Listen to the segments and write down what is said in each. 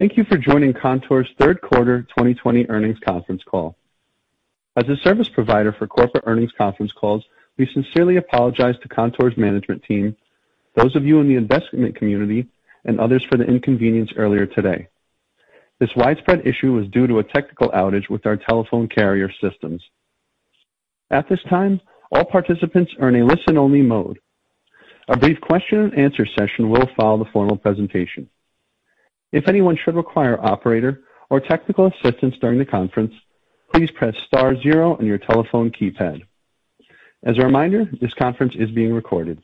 Thank you for joining Kontoor's third quarter 2020 earnings conference call. As a service provider for corporate earnings conference calls, we sincerely apologize to Kontoor's management team, those of you in the investment community, and others for the inconvenience earlier today. This widespread issue was due to a technical outage with our telephone carrier systems. At this time, all participants are in a listen-only mode. A brief question-and-answer session will follow the formal presentation. If anyone should require operator or technical assistance during the conference, please press star zero on your telephone keypad. As a reminder, this conference is being recorded.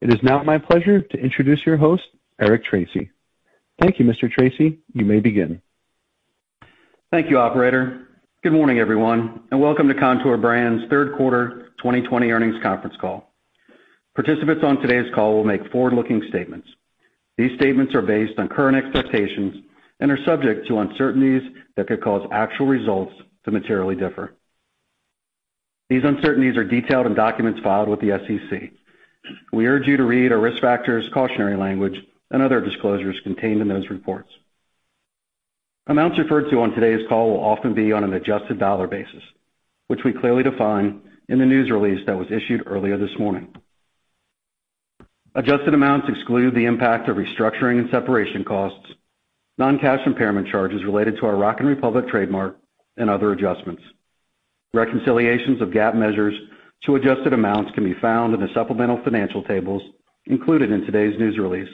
It is now my pleasure to introduce your host, Eric Tracy. Thank you, Mr. Tracy. You may begin. Thank you, operator. Good morning, everyone, and welcome to Kontoor Brands' third quarter 2020 earnings conference call. Participants on today's call will make forward-looking statements. These statements are based on current expectations and are subject to uncertainties that could cause actual results to materially differ. These uncertainties are detailed in documents filed with the SEC. We urge you to read our risk factors, cautionary language, and other disclosures contained in those reports. Amounts referred to on today's call will often be on an adjusted dollar basis, which we clearly define in the news release that was issued earlier this morning. Adjusted amounts exclude the impact of restructuring and separation costs, non-cash impairment charges related to our Rock & Republic trademark, and other adjustments. Reconciliations of GAAP measures to adjusted amounts can be found in the supplemental financial tables included in today's news release,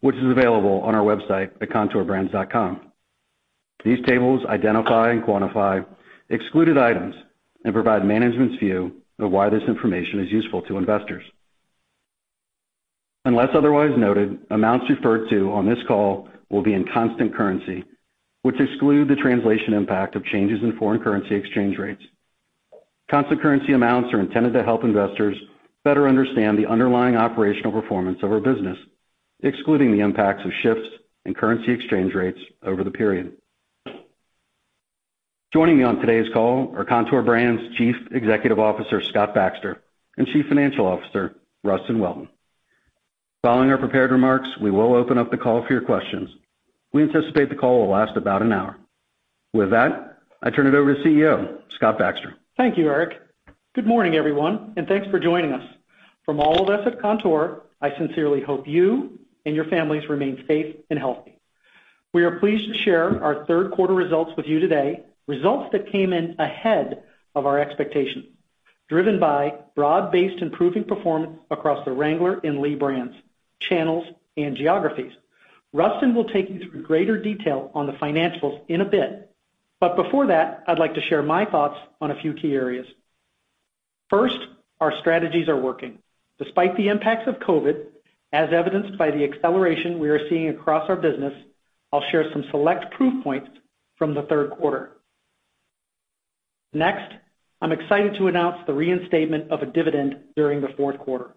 which is available on our website at kontoorbrands.com. These tables identify and quantify excluded items and provide management's view of why this information is useful to investors. Unless otherwise noted, amounts referred to on this call will be in constant currency, which exclude the translation impact of changes in foreign currency exchange rates. Constant currency amounts are intended to help investors better understand the underlying operational performance of our business, excluding the impacts of shifts in currency exchange rates over the period. Joining me on today's call are Kontoor Brands' Chief Executive Officer, Scott Baxter, and Chief Financial Officer, Rustin Welton. Following our prepared remarks, we will open up the call for your questions. We anticipate the call will last about an hour. With that, I turn it over to CEO, Scott Baxter. Thank you, Eric. Good morning, everyone, thanks for joining us. From all of us at Kontoor, I sincerely hope you and your families remain safe and healthy. We are pleased to share our third quarter results with you today, results that came in ahead of our expectations, driven by broad-based improving performance across the Wrangler and Lee brands, channels, and geographies. Rustin will take you through greater detail on the financials in a bit. Before that, I'd like to share my thoughts on a few key areas. First, our strategies are working. Despite the impacts of COVID, as evidenced by the acceleration we are seeing across our business, I'll share some select proof points from the third quarter. Next, I'm excited to announce the reinstatement of a dividend during the fourth quarter.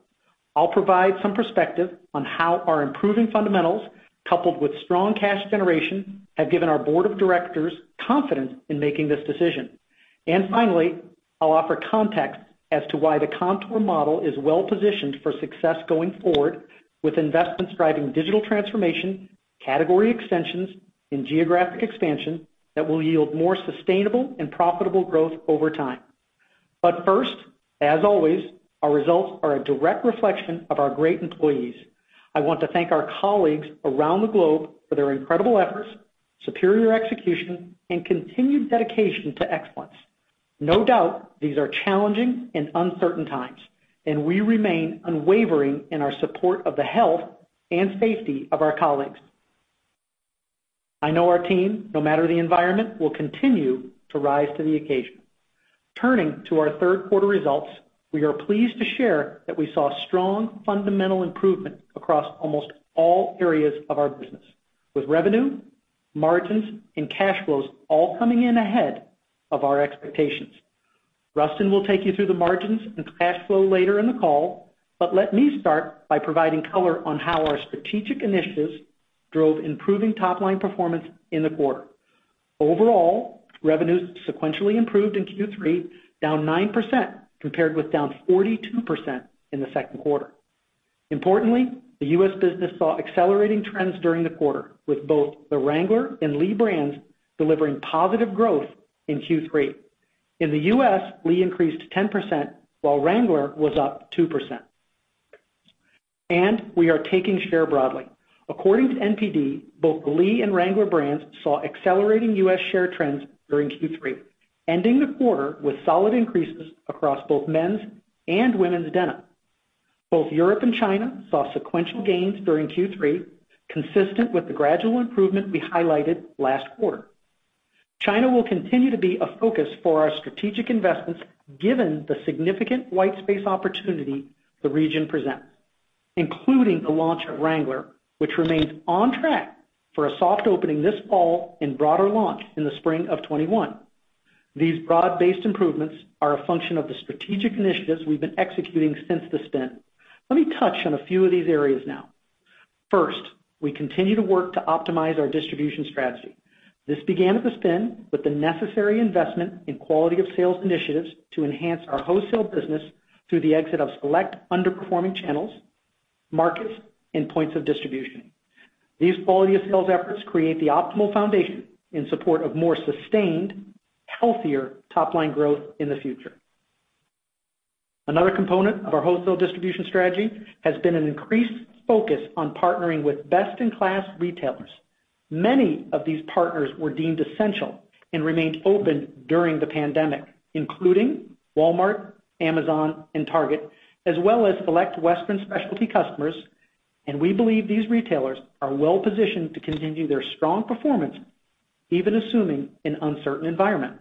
I'll provide some perspective on how our improving fundamentals, coupled with strong cash generation, have given our Board of Directors confidence in making this decision. Finally, I'll offer context as to why the Kontoor model is well-positioned for success going forward with investments driving digital transformation, category extensions, and geographic expansion that will yield more sustainable and profitable growth over time. First, as always, our results are a direct reflection of our great employees. I want to thank our colleagues around the globe for their incredible efforts, superior execution, and continued dedication to excellence. No doubt, these are challenging and uncertain times, and we remain unwavering in our support of the health and safety of our colleagues. I know our team, no matter the environment, will continue to rise to the occasion. Turning to our third quarter results, we are pleased to share that we saw strong fundamental improvement across almost all areas of our business, with revenue, margins, and cash flows all coming in ahead of our expectations. Rustin will take you through the margins and cash flow later in the call, but let me start by providing color on how our strategic initiatives drove improving top-line performance in the quarter. Overall, revenues sequentially improved in Q3, down 9% compared with down 42% in the second quarter. Importantly, the U.S. business saw accelerating trends during the quarter, with both the Wrangler and Lee brands delivering positive growth in Q3. In the U.S., Lee increased 10%, while Wrangler was up 2%. We are taking share broadly. According to NPD, both Lee and Wrangler brands saw accelerating U.S. share trends during Q3, ending the quarter with solid increases across both men's and women's denim. Both Europe and China saw sequential gains during Q3, consistent with the gradual improvement we highlighted last quarter. China will continue to be a focus for our strategic investments given the significant white space opportunity the region presents, including the launch of Wrangler, which remains on track for a soft opening this fall and broader launch in the spring of 2021. These broad-based improvements are a function of the strategic initiatives we've been executing since the spin. Let me touch on a few of these areas now. First, we continue to work to optimize our distribution strategy. This began at the spin with the necessary investment in quality of sales initiatives to enhance our wholesale business through the exit of select underperforming channels, markets, and points of distribution. These quality of sales efforts create the optimal foundation in support of more sustained, healthier top line growth in the future. Another component of our wholesale distribution strategy has been an increased focus on partnering with best-in-class retailers. Many of these partners were deemed essential and remained open during the pandemic, including Walmart, Amazon, and Target, as well as select Western specialty customers. We believe these retailers are well-positioned to continue their strong performance, even assuming an uncertain environment.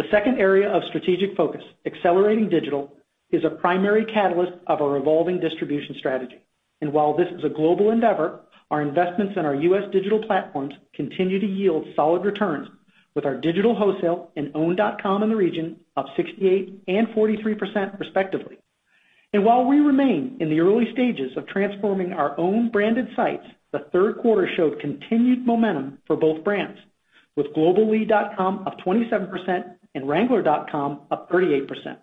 The second area of strategic focus, accelerating digital, is a primary catalyst of our evolving distribution strategy. While this is a global endeavor, our investments in our U.S. digital platforms continue to yield solid returns with our digital wholesale and owned.com in the region up 68% and 43% respectively. While we remain in the early stages of transforming our own branded sites, the third quarter showed continued momentum for both brands, with global lee.com up 27% and wrangler.com up 38%.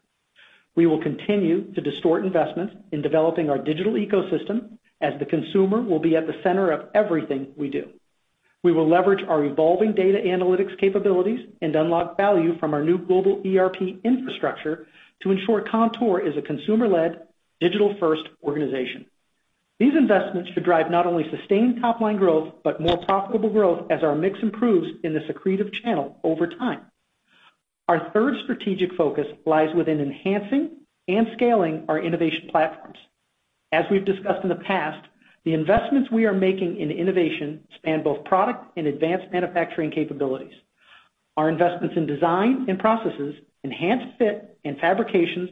We will continue to distort investments in developing our digital ecosystem as the consumer will be at the center of everything we do. We will leverage our evolving data analytics capabilities and unlock value from our new global ERP infrastructure to ensure Kontoor is a consumer-led, digital-first organization. These investments should drive not only sustained top line growth but more profitable growth as our mix improves in the direct-to-consumer channel over time. Our third strategic focus lies within enhancing and scaling our innovation platforms. As we've discussed in the past, the investments we are making in innovation span both product and advanced manufacturing capabilities. Our investments in design and processes, enhanced fit and fabrications,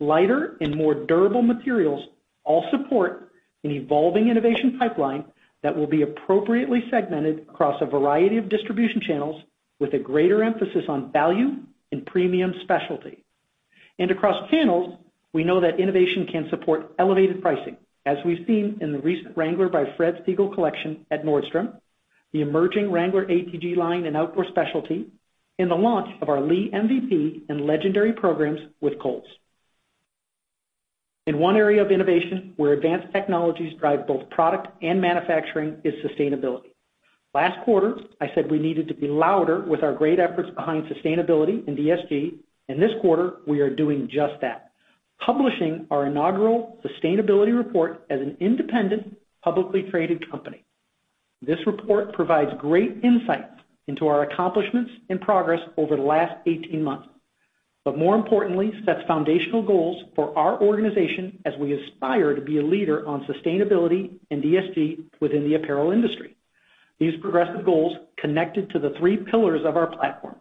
lighter and more durable materials all support an evolving innovation pipeline that will be appropriately segmented across a variety of distribution channels with a greater emphasis on value and premium specialty. Across channels, we know that innovation can support elevated pricing, as we've seen in the recent Wrangler by Fred Segal collection at Nordstrom, the emerging Wrangler ATG line in Outdoor specialty, and the launch of our Lee MVP and Legendary programs with Kohl's. In one area of innovation where advanced technologies drive both product and manufacturing is sustainability. Last quarter, I said we needed to be louder with our great efforts behind sustainability and ESG. In this quarter, we are doing just that, publishing our inaugural sustainability report as an independent, publicly traded company. This report provides great insights into our accomplishments and progress over the last 18 months, but more importantly, sets foundational goals for our organization as we aspire to be a leader on sustainability and ESG within the apparel industry. These progressive goals connected to the three pillars of our platform.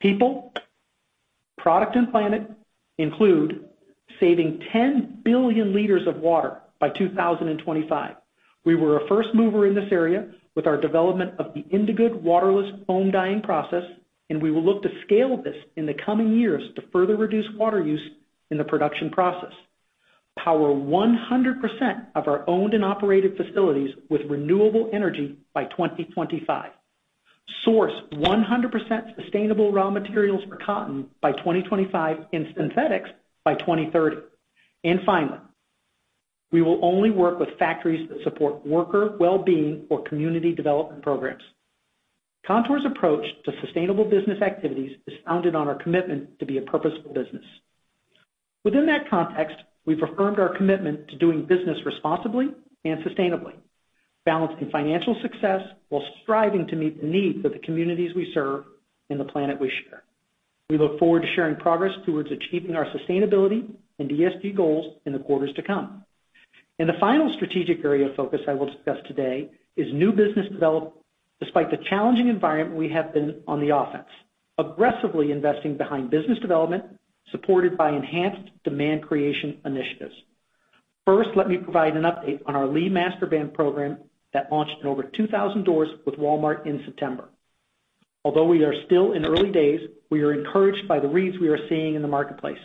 People, product, and planet, include saving 10 billion L of water by 2025. We were a first mover in this area with our development of the Indigood waterless foam dyeing process, and we will look to scale this in the coming years to further reduce water use in the production process. Power 100% of our owned and operated facilities with renewable energy by 2025. Source 100% sustainable raw materials for cotton by 2025 and synthetics by 2030. Finally, we will only work with factories that support worker well-being or community development programs. Kontoor's approach to sustainable business activities is founded on our commitment to be a purposeful business. Within that context, we've reaffirmed our commitment to doing business responsibly and sustainably, balancing financial success while striving to meet the needs of the communities we serve and the planet we share. We look forward to sharing progress towards achieving our sustainability and ESG goals in the quarters to come. The final strategic area of focus I will discuss today is new business development. Despite the challenging environment we have been on the offense, aggressively investing behind business development, supported by enhanced demand creation initiatives. First, let me provide an update on our [Lee Master Band] program that launched in over 2,000 doors with Walmart in September. Although we are still in the early days, we are encouraged by the reads we are seeing in the marketplace.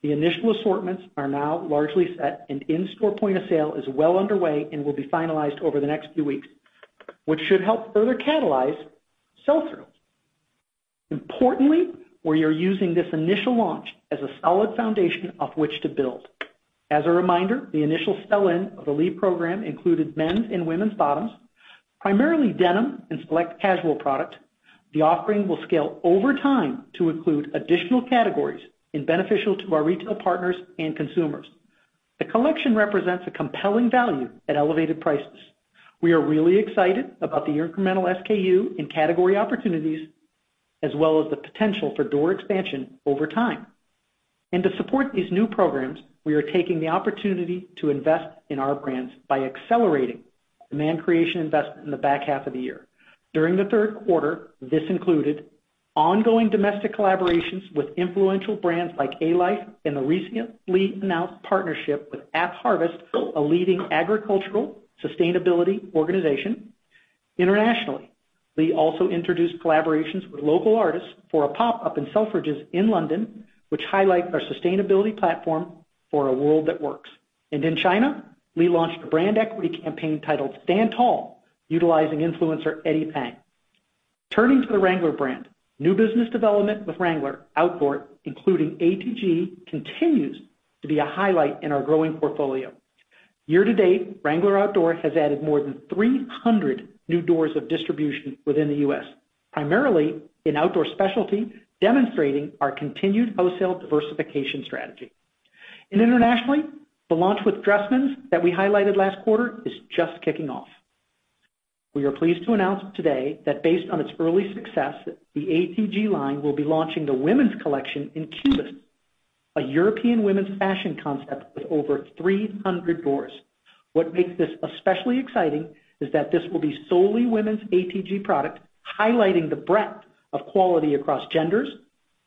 The initial assortments are now largely set, and in-store point of sale is well underway and will be finalized over the next few weeks, which should help further catalyze sell-through. Importantly, we are using this initial launch as a solid foundation of which to build. As a reminder, the initial sell-in of the Lee program included men's and women's bottoms, primarily denim and select casual product. The offering will scale over time to include additional categories and beneficial to our retail partners and consumers. The collection represents a compelling value at elevated prices. We are really excited about the incremental SKU and category opportunities, as well as the potential for door expansion over time. To support these new programs, we are taking the opportunity to invest in our brands by accelerating demand creation investment in the back half of the year. During the third quarter, this included ongoing domestic collaborations with influential brands like Alife and the recently announced partnership with AppHarvest, a leading agricultural sustainability organization. Internationally, Lee also introduced collaborations with local artists for a pop-up in Selfridges in London, which highlight our sustainability platform for a world that works. In China, we launched a brand equity campaign titled Stand Tall, utilizing influencer Eddie Peng. Turning to the Wrangler brand, new business development with Wrangler Outdoor, including ATG, continues to be a highlight in our growing portfolio. Year-to-date, Wrangler Outdoor has added more than 300 new doors of distribution within the U.S., primarily in Outdoor specialty, demonstrating our continued wholesale diversification strategy. Internationally, the launch with Dressmann that we highlighted last quarter is just kicking off. We are pleased to announce today that based on its early success, the ATG line will be launching the women's collection in Cubus, a European women's fashion concept with over 300 doors. What makes this especially exciting is that this will be solely women's ATG product, highlighting the breadth of quality across genders,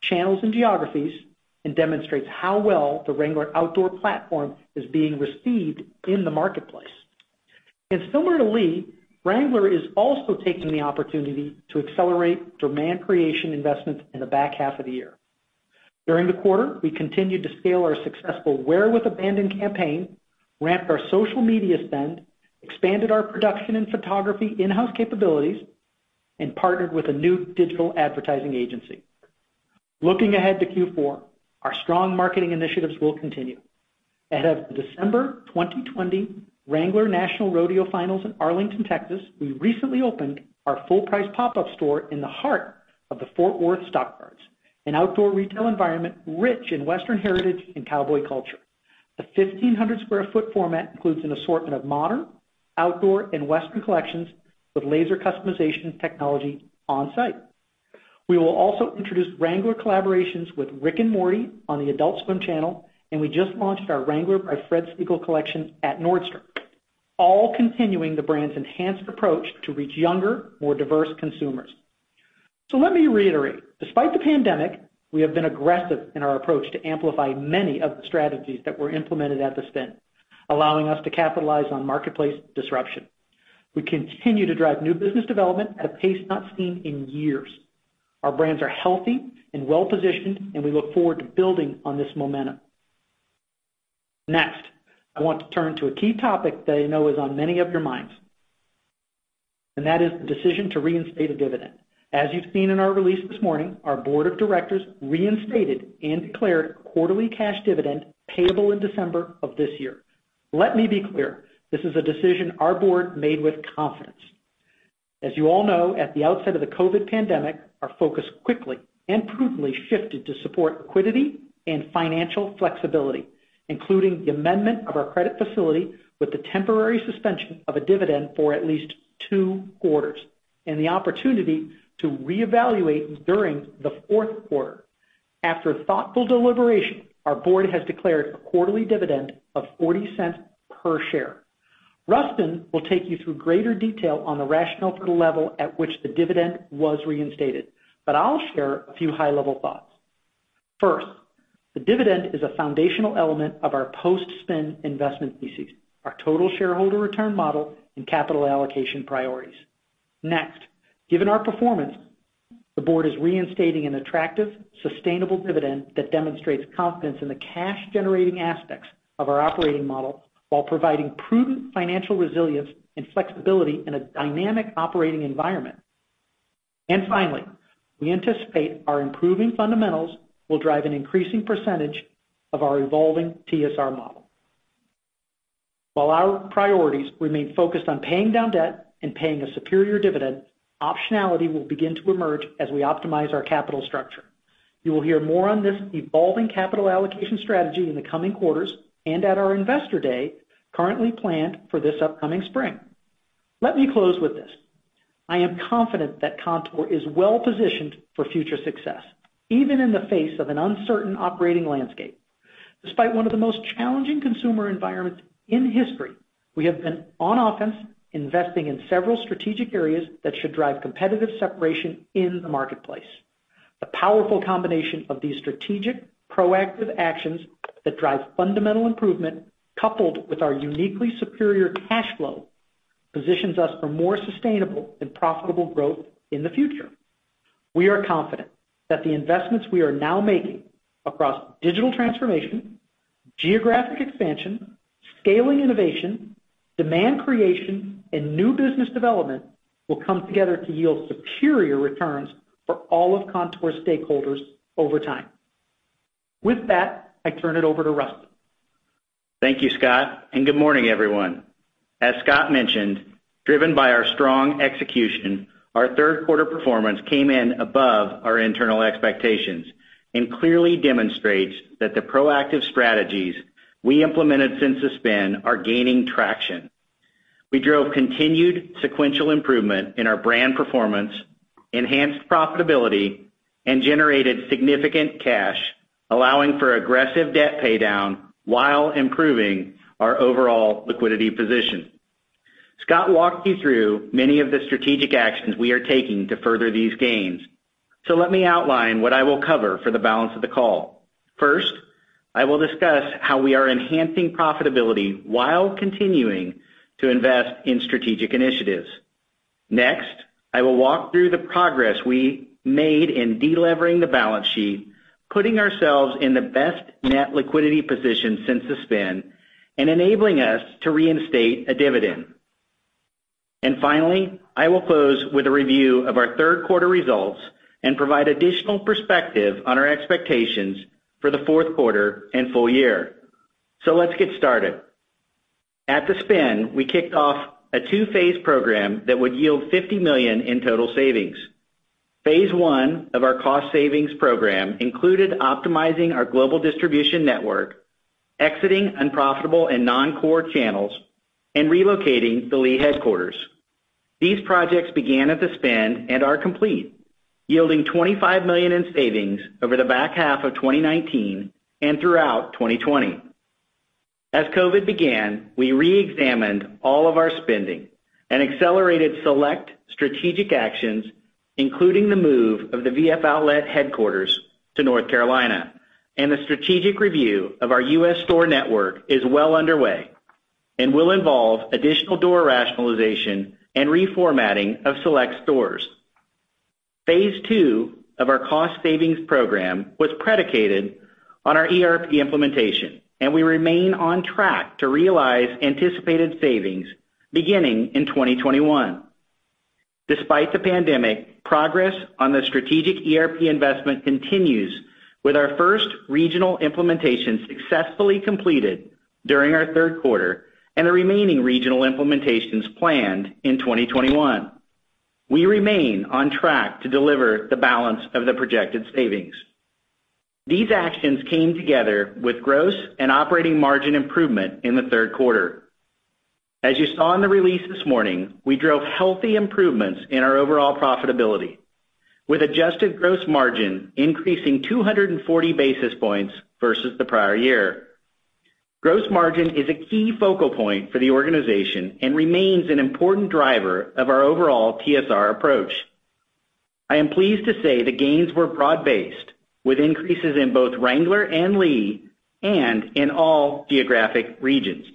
channels, and geographies, and demonstrates how well the Wrangler Outdoor platform is being received in the marketplace. Similar to Lee, Wrangler is also taking the opportunity to accelerate demand creation investments in the back half of the year. During the quarter, we continued to scale our successful Wear with Abandon campaign, ramped our social media spend, expanded our production and photography in-house capabilities, and partnered with a new digital advertising agency. Looking ahead to Q4, our strong marketing initiatives will continue. Ahead of the December 2020, Wrangler National Rodeo finals in Arlington, Texas, we recently opened our full-price pop-up store in the heart of the Fort Worth Stockyards, an outdoor retail environment rich in Western heritage and cowboy culture. The 1,500 sq ft format includes an assortment of modern, outdoor, and Western collections with laser customization technology on site. We will also introduce Wrangler collaborations with Rick and Morty on Adult Swim channel, and we just launched our Wrangler by Fred Segal collection at Nordstrom, all continuing the brand's enhanced approach to reach younger, more diverse consumers. Let me reiterate, despite the pandemic, we have been aggressive in our approach to amplify many of the strategies that were implemented at the spin, allowing us to capitalize on marketplace disruption. We continue to drive new business development at a pace not seen in years. Our brands are healthy and well-positioned, and we look forward to building on this momentum. Next, I want to turn to a key topic that I know is on many of your minds, and that is the decision to reinstate a dividend. As you've seen in our release this morning, our Board of Directors reinstated and declared a quarterly cash dividend payable in December of this year. Let me be clear, this is a decision our Board made with confidence. As you all know, at the outset of the COVID pandemic, our focus quickly and prudently shifted to support liquidity and financial flexibility, including the amendment of our credit facility with the temporary suspension of a dividend for at least two quarters, and the opportunity to reevaluate during the fourth quarter. After thoughtful deliberation, our Board has declared a quarterly dividend of $0.40 per share. Rustin will take you through greater detail on the rationale for the level at which the dividend was reinstated, but I'll share a few high-level thoughts. First, the dividend is a foundational element of our post-spin investment thesis, our total shareholder return model, and capital allocation priorities. Next, given our performance, the Board is reinstating an attractive, sustainable dividend that demonstrates confidence in the cash-generating aspects of our operating model while providing prudent financial resilience and flexibility in a dynamic operating environment. Finally, we anticipate our improving fundamentals will drive an increasing percentage of our evolving TSR model. While our priorities remain focused on paying down debt and paying a superior dividend, optionality will begin to emerge as we optimize our capital structure. You will hear more on this evolving capital allocation strategy in the coming quarters and at our Investor Day currently planned for this upcoming spring. Let me close with this. I am confident that Kontoor is well positioned for future success, even in the face of an uncertain operating landscape. Despite one of the most challenging consumer environments in history, we have been on offense, investing in several strategic areas that should drive competitive separation in the marketplace. The powerful combination of these strategic, proactive actions that drive fundamental improvement, coupled with our uniquely superior cash flow, positions us for more sustainable and profitable growth in the future. We are confident that the investments we are now making across digital transformation, geographic expansion, scaling innovation, demand creation, and new business development will come together to yield superior returns for all of Kontoor's stakeholders over time. With that, I turn it over to Rustin. Thank you, Scott. Good morning, everyone. As Scott mentioned, driven by our strong execution, our third quarter performance came in above our internal expectations and clearly demonstrates that the proactive strategies we implemented since the spin are gaining traction. We drove continued sequential improvement in our brand performance, enhanced profitability, and generated significant cash, allowing for aggressive debt paydown while improving our overall liquidity position. Scott walked you through many of the strategic actions we are taking to further these gains. Let me outline what I will cover for the balance of the call. First, I will discuss how we are enhancing profitability while continuing to invest in strategic initiatives. Next, I will walk through the progress we made in de-levering the balance sheet, putting ourselves in the best net liquidity position since the spin, and enabling us to reinstate a dividend. Finally, I will close with a review of our third quarter results and provide additional perspective on our expectations for the fourth quarter and full year. Let's get started. At the spin, we kicked off a two-phase program that would yield $50 million in total savings. Phase one of our cost savings program included optimizing our global distribution network, exiting unprofitable and non-core channels, and relocating the Lee headquarters. These projects began at the spin and are complete, yielding $25 million in savings over the back half of 2019 and throughout 2020. As COVID began, we re-examined all of our spending and accelerated select strategic actions, including the move of the VF Outlet headquarters to North Carolina. The strategic review of our U.S. store network is well underway and will involve additional door rationalization and reformatting of select stores. Phase two of our cost savings program was predicated on our ERP implementation, and we remain on track to realize anticipated savings beginning in 2021. Despite the pandemic, progress on the strategic ERP investment continues, with our first regional implementation successfully completed during our third quarter and the remaining regional implementations planned in 2021. We remain on track to deliver the balance of the projected savings. These actions came together with gross and operating margin improvement in the third quarter. As you saw in the release this morning, we drove healthy improvements in our overall profitability, with adjusted gross margin increasing 240 basis points versus the prior year. Gross margin is a key focal point for the organization and remains an important driver of our overall TSR approach. I am pleased to say the gains were broad-based, with increases in both Wrangler and Lee and in all geographic regions.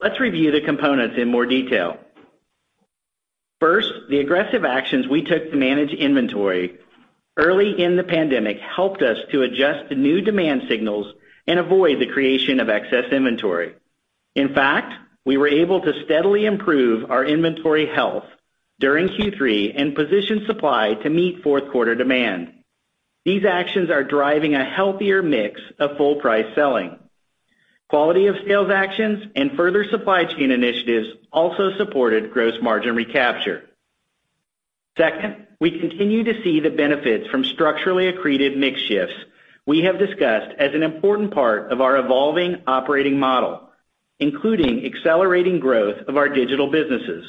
Let's review the components in more detail. First, the aggressive actions we took to manage inventory early in the pandemic helped us to adjust to new demand signals and avoid the creation of excess inventory. In fact, we were able to steadily improve our inventory health during Q3 and position supply to meet fourth quarter demand. These actions are driving a healthier mix of full price selling. Quality of sales actions and further supply chain initiatives also supported gross margin recapture. Second, we continue to see the benefits from structurally accreted mix shifts we have discussed as an important part of our evolving operating model, including accelerating growth of our digital businesses.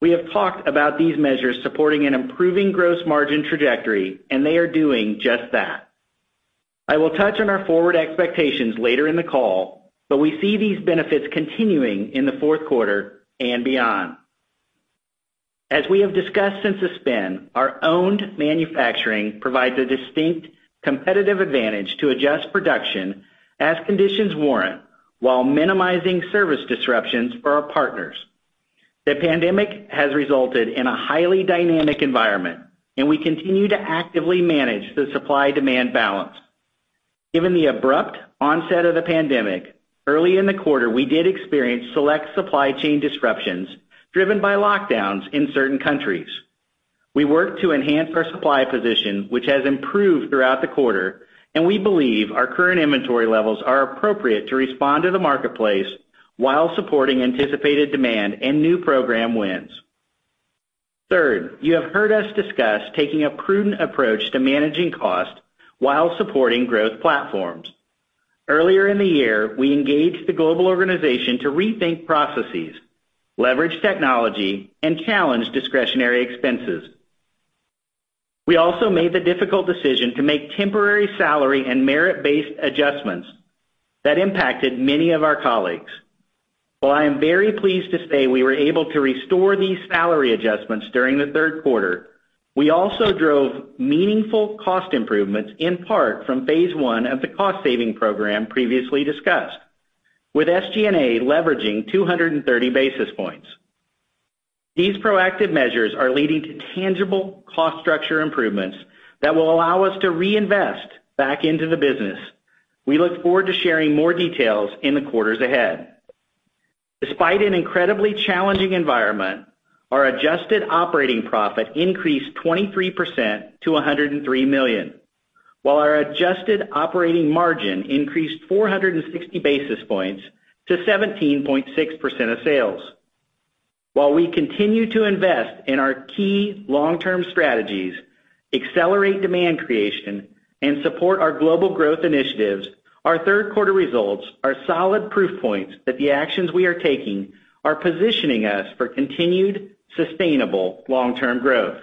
We have talked about these measures supporting an improving gross margin trajectory, and they are doing just that. I will touch on our forward expectations later in the call, but we see these benefits continuing in the fourth quarter and beyond. As we have discussed since the spin, our owned manufacturing provides a distinct competitive advantage to adjust production as conditions warrant, while minimizing service disruptions for our partners. The pandemic has resulted in a highly dynamic environment, and we continue to actively manage the supply-demand balance. Given the abrupt onset of the pandemic, early in the quarter, we did experience select supply chain disruptions driven by lockdowns in certain countries. We worked to enhance our supply position, which has improved throughout the quarter, and we believe our current inventory levels are appropriate to respond to the marketplace while supporting anticipated demand and new program wins. Third, you have heard us discuss taking a prudent approach to managing cost while supporting growth platforms. Earlier in the year, we engaged the global organization to rethink processes, leverage technology, and challenge discretionary expenses. We also made the difficult decision to make temporary salary and merit-based adjustments that impacted many of our colleagues. While I am very pleased to say we were able to restore these salary adjustments during the third quarter, we also drove meaningful cost improvements, in part from Phase one of the cost-saving program previously discussed, with SG&A leveraging 230 basis points. These proactive measures are leading to tangible cost structure improvements that will allow us to reinvest back into the business. We look forward to sharing more details in the quarters ahead. Despite an incredibly challenging environment, our adjusted operating profit increased 23% to $103 million, while our adjusted operating margin increased 460 basis points to 17.6% of sales. While we continue to invest in our key long-term strategies, accelerate demand creation, and support our global growth initiatives, our third quarter results are solid proof points that the actions we are taking are positioning us for continued, sustainable long-term growth.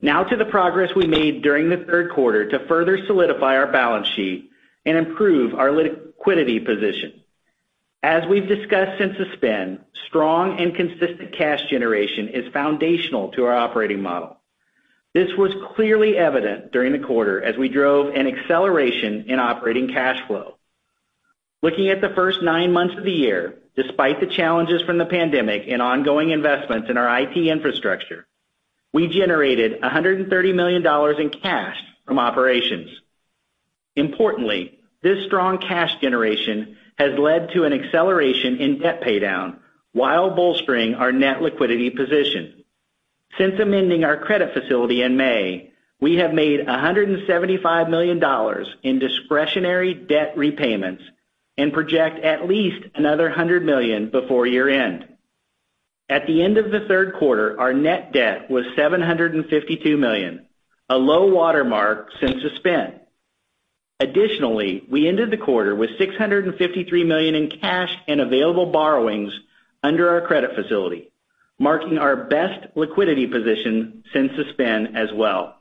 Now to the progress we made during the third quarter to further solidify our balance sheet and improve our liquidity position. As we've discussed since the spin, strong and consistent cash generation is foundational to our operating model. This was clearly evident during the quarter as we drove an acceleration in operating cash flow. Looking at the first nine months of the year, despite the challenges from the pandemic and ongoing investments in our IT infrastructure, we generated $130 million in cash from operations. Importantly, this strong cash generation has led to an acceleration in debt paydown while bolstering our net liquidity position. Since amending our credit facility in May, we have made $175 million in discretionary debt repayments and project at least another $100 million before year-end. At the end of the third quarter, our net debt was $752 million, a low watermark since the spin. We ended the quarter with $653 million in cash and available borrowings under our credit facility, marking our best liquidity position since the spin as well.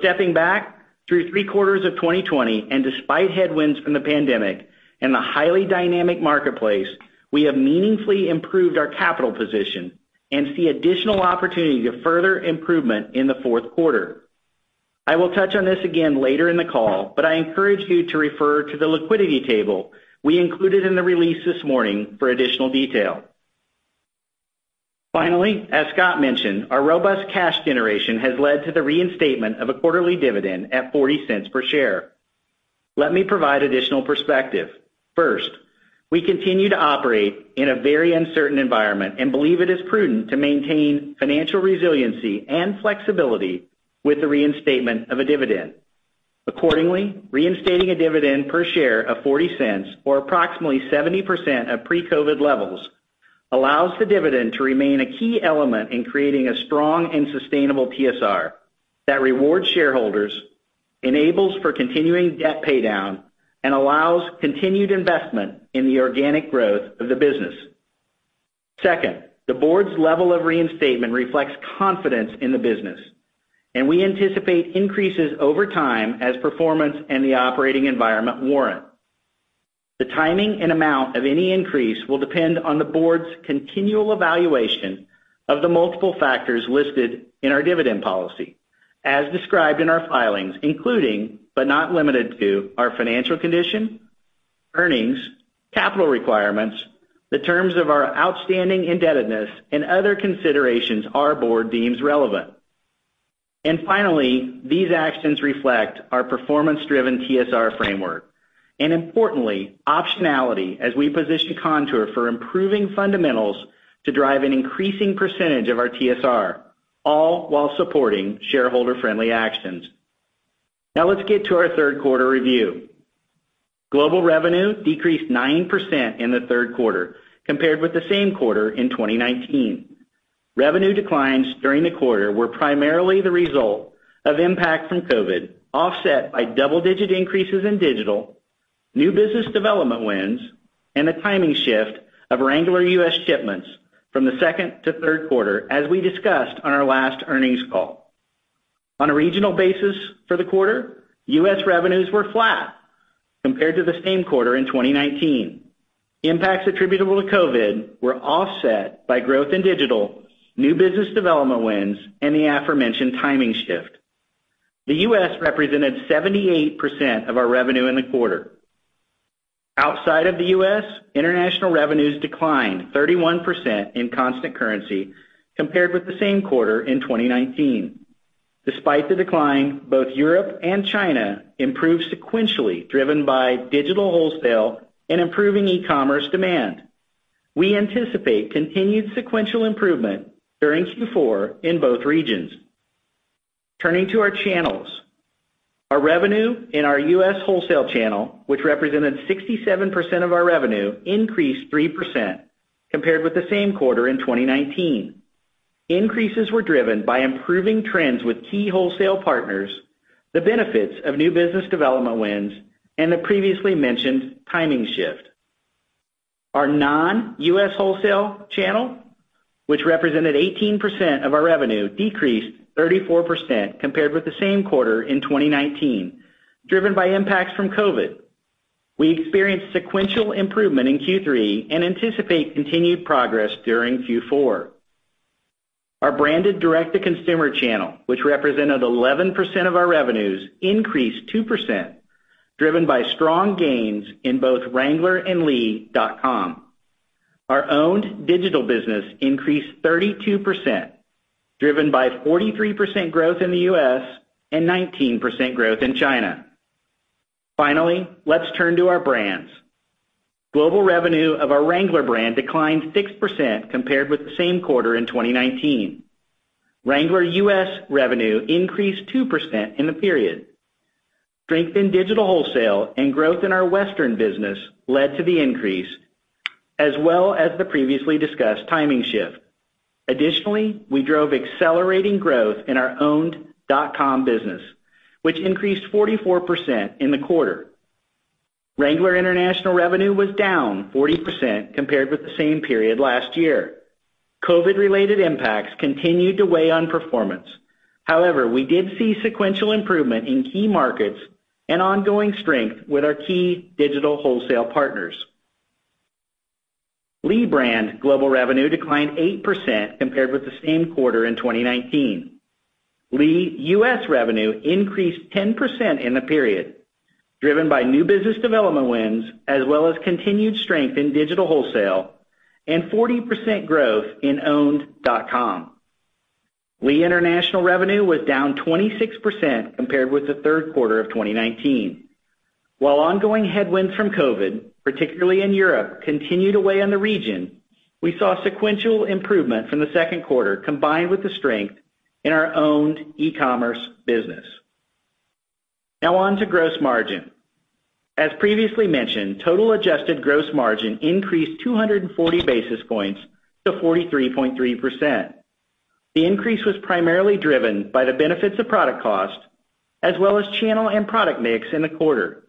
Stepping back through three quarters of 2020, and despite headwinds from the pandemic and the highly dynamic marketplace, we have meaningfully improved our capital position and see additional opportunity to further improvement in the fourth quarter. I will touch on this again later in the call, I encourage you to refer to the liquidity table we included in the release this morning for additional detail. Finally, as Scott mentioned, our robust cash generation has led to the reinstatement of a quarterly dividend at $0.40 per share. Let me provide additional perspective. First, we continue to operate in a very uncertain environment and believe it is prudent to maintain financial resiliency and flexibility with the reinstatement of a dividend. Accordingly, reinstating a dividend per share of $0.40 or approximately 70% of pre-COVID levels allows the dividend to remain a key element in creating a strong and sustainable TSR that rewards shareholders, enables for continuing debt paydown, and allows continued investment in the organic growth of the business. Second, the Board's level of reinstatement reflects confidence in the business, and we anticipate increases over time as performance and the operating environment warrant. The timing and amount of any increase will depend on the Board's continual evaluation of the multiple factors listed in our dividend policy, as described in our filings, including but not limited to our financial condition, earnings, capital requirements, the terms of our outstanding indebtedness, and other considerations our Board deems relevant. Finally, these actions reflect our performance-driven TSR framework, and importantly, optionality as we position Kontoor for improving fundamentals to drive an increasing percentage of our TSR, all while supporting shareholder-friendly actions. Now let's get to our third quarter review. Global revenue decreased 9% in the third quarter compared with the same quarter in 2019. Revenue declines during the quarter were primarily the result of impact from COVID, offset by double-digit increases in digital, new business development wins, and a timing shift of Wrangler U.S. shipments from the second to third quarter, as we discussed on our last earnings call. On a regional basis for the quarter, U.S. revenues were flat compared to the same quarter in 2019. Impacts attributable to COVID were offset by growth in digital, new business development wins, and the aforementioned timing shift. The U.S. represented 78% of our revenue in the quarter. Outside of the U.S., international revenues declined 31% in constant currency compared with the same quarter in 2019. Despite the decline, both Europe and China improved sequentially, driven by digital wholesale and improving e-commerce demand. We anticipate continued sequential improvement during Q4 in both regions. Turning to our channels. Our revenue in our U.S. wholesale channel, which represented 67% of our revenue, increased 3% compared with the same quarter in 2019. Increases were driven by improving trends with key wholesale partners, the benefits of new business development wins, and the previously mentioned timing shift. Our non-U.S. wholesale channel, which represented 18% of our revenue, decreased 34% compared with the same quarter in 2019, driven by impacts from COVID. We experienced sequential improvement in Q3 and anticipate continued progress during Q4. Our branded direct-to-consumer channel, which represented 11% of our revenues, increased 2%, driven by strong gains in both Wrangler and lee.com. Our owned digital business increased 32%, driven by 43% growth in the U.S. and 19% growth in China. Finally, let's turn to our brands. Global revenue of our Wrangler brand declined 6% compared with the same quarter in 2019. Wrangler U.S. revenue increased 2% in the period. Strength in digital wholesale and growth in our western business led to the increase, as well as the previously discussed timing shift. Additionally, we drove accelerating growth in our owned.com business, which increased 44% in the quarter. Wrangler international revenue was down 40% compared with the same period last year. COVID-related impacts continued to weigh on performance. However, we did see sequential improvement in key markets and ongoing strength with our key digital wholesale partners. Lee brand global revenue declined 8% compared with the same quarter in 2019. Lee U.S. revenue increased 10% in the period, driven by new business development wins, as well as continued strength in digital wholesale and 40% growth in owned.com. Lee International revenue was down 26% compared with the third quarter of 2019. While ongoing headwinds from COVID, particularly in Europe, continued to weigh on the region, we saw sequential improvement from the second quarter, combined with the strength in our owned e-commerce business. On to gross margin. As previously mentioned, total adjusted gross margin increased 240 basis points to 43.3%. The increase was primarily driven by the benefits of product cost, as well as channel and product mix in the quarter.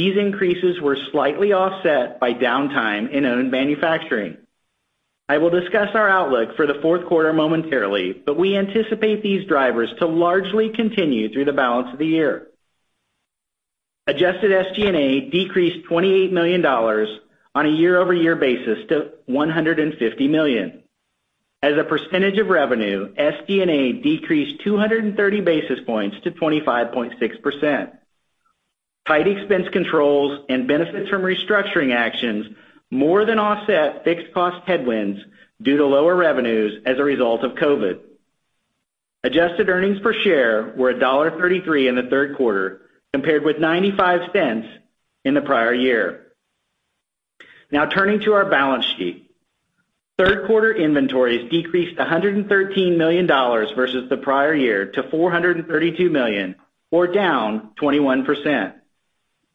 These increases were slightly offset by downtime in owned manufacturing. I will discuss our outlook for the fourth quarter momentarily, but we anticipate these drivers to largely continue through the balance of the year. Adjusted SG&A decreased $28 million on a year-over-year basis to $150 million. As a percentage of revenue, SG&A decreased 230 basis points to 25.6%. Tight expense controls and benefits from restructuring actions more than offset fixed cost headwinds due to lower revenues as a result of COVID. Adjusted earnings per share were $1.33 in the third quarter, compared with $0.95 in the prior year. Turning to our balance sheet. Third quarter inventories decreased $113 million versus the prior year to $432 million, or down 21%.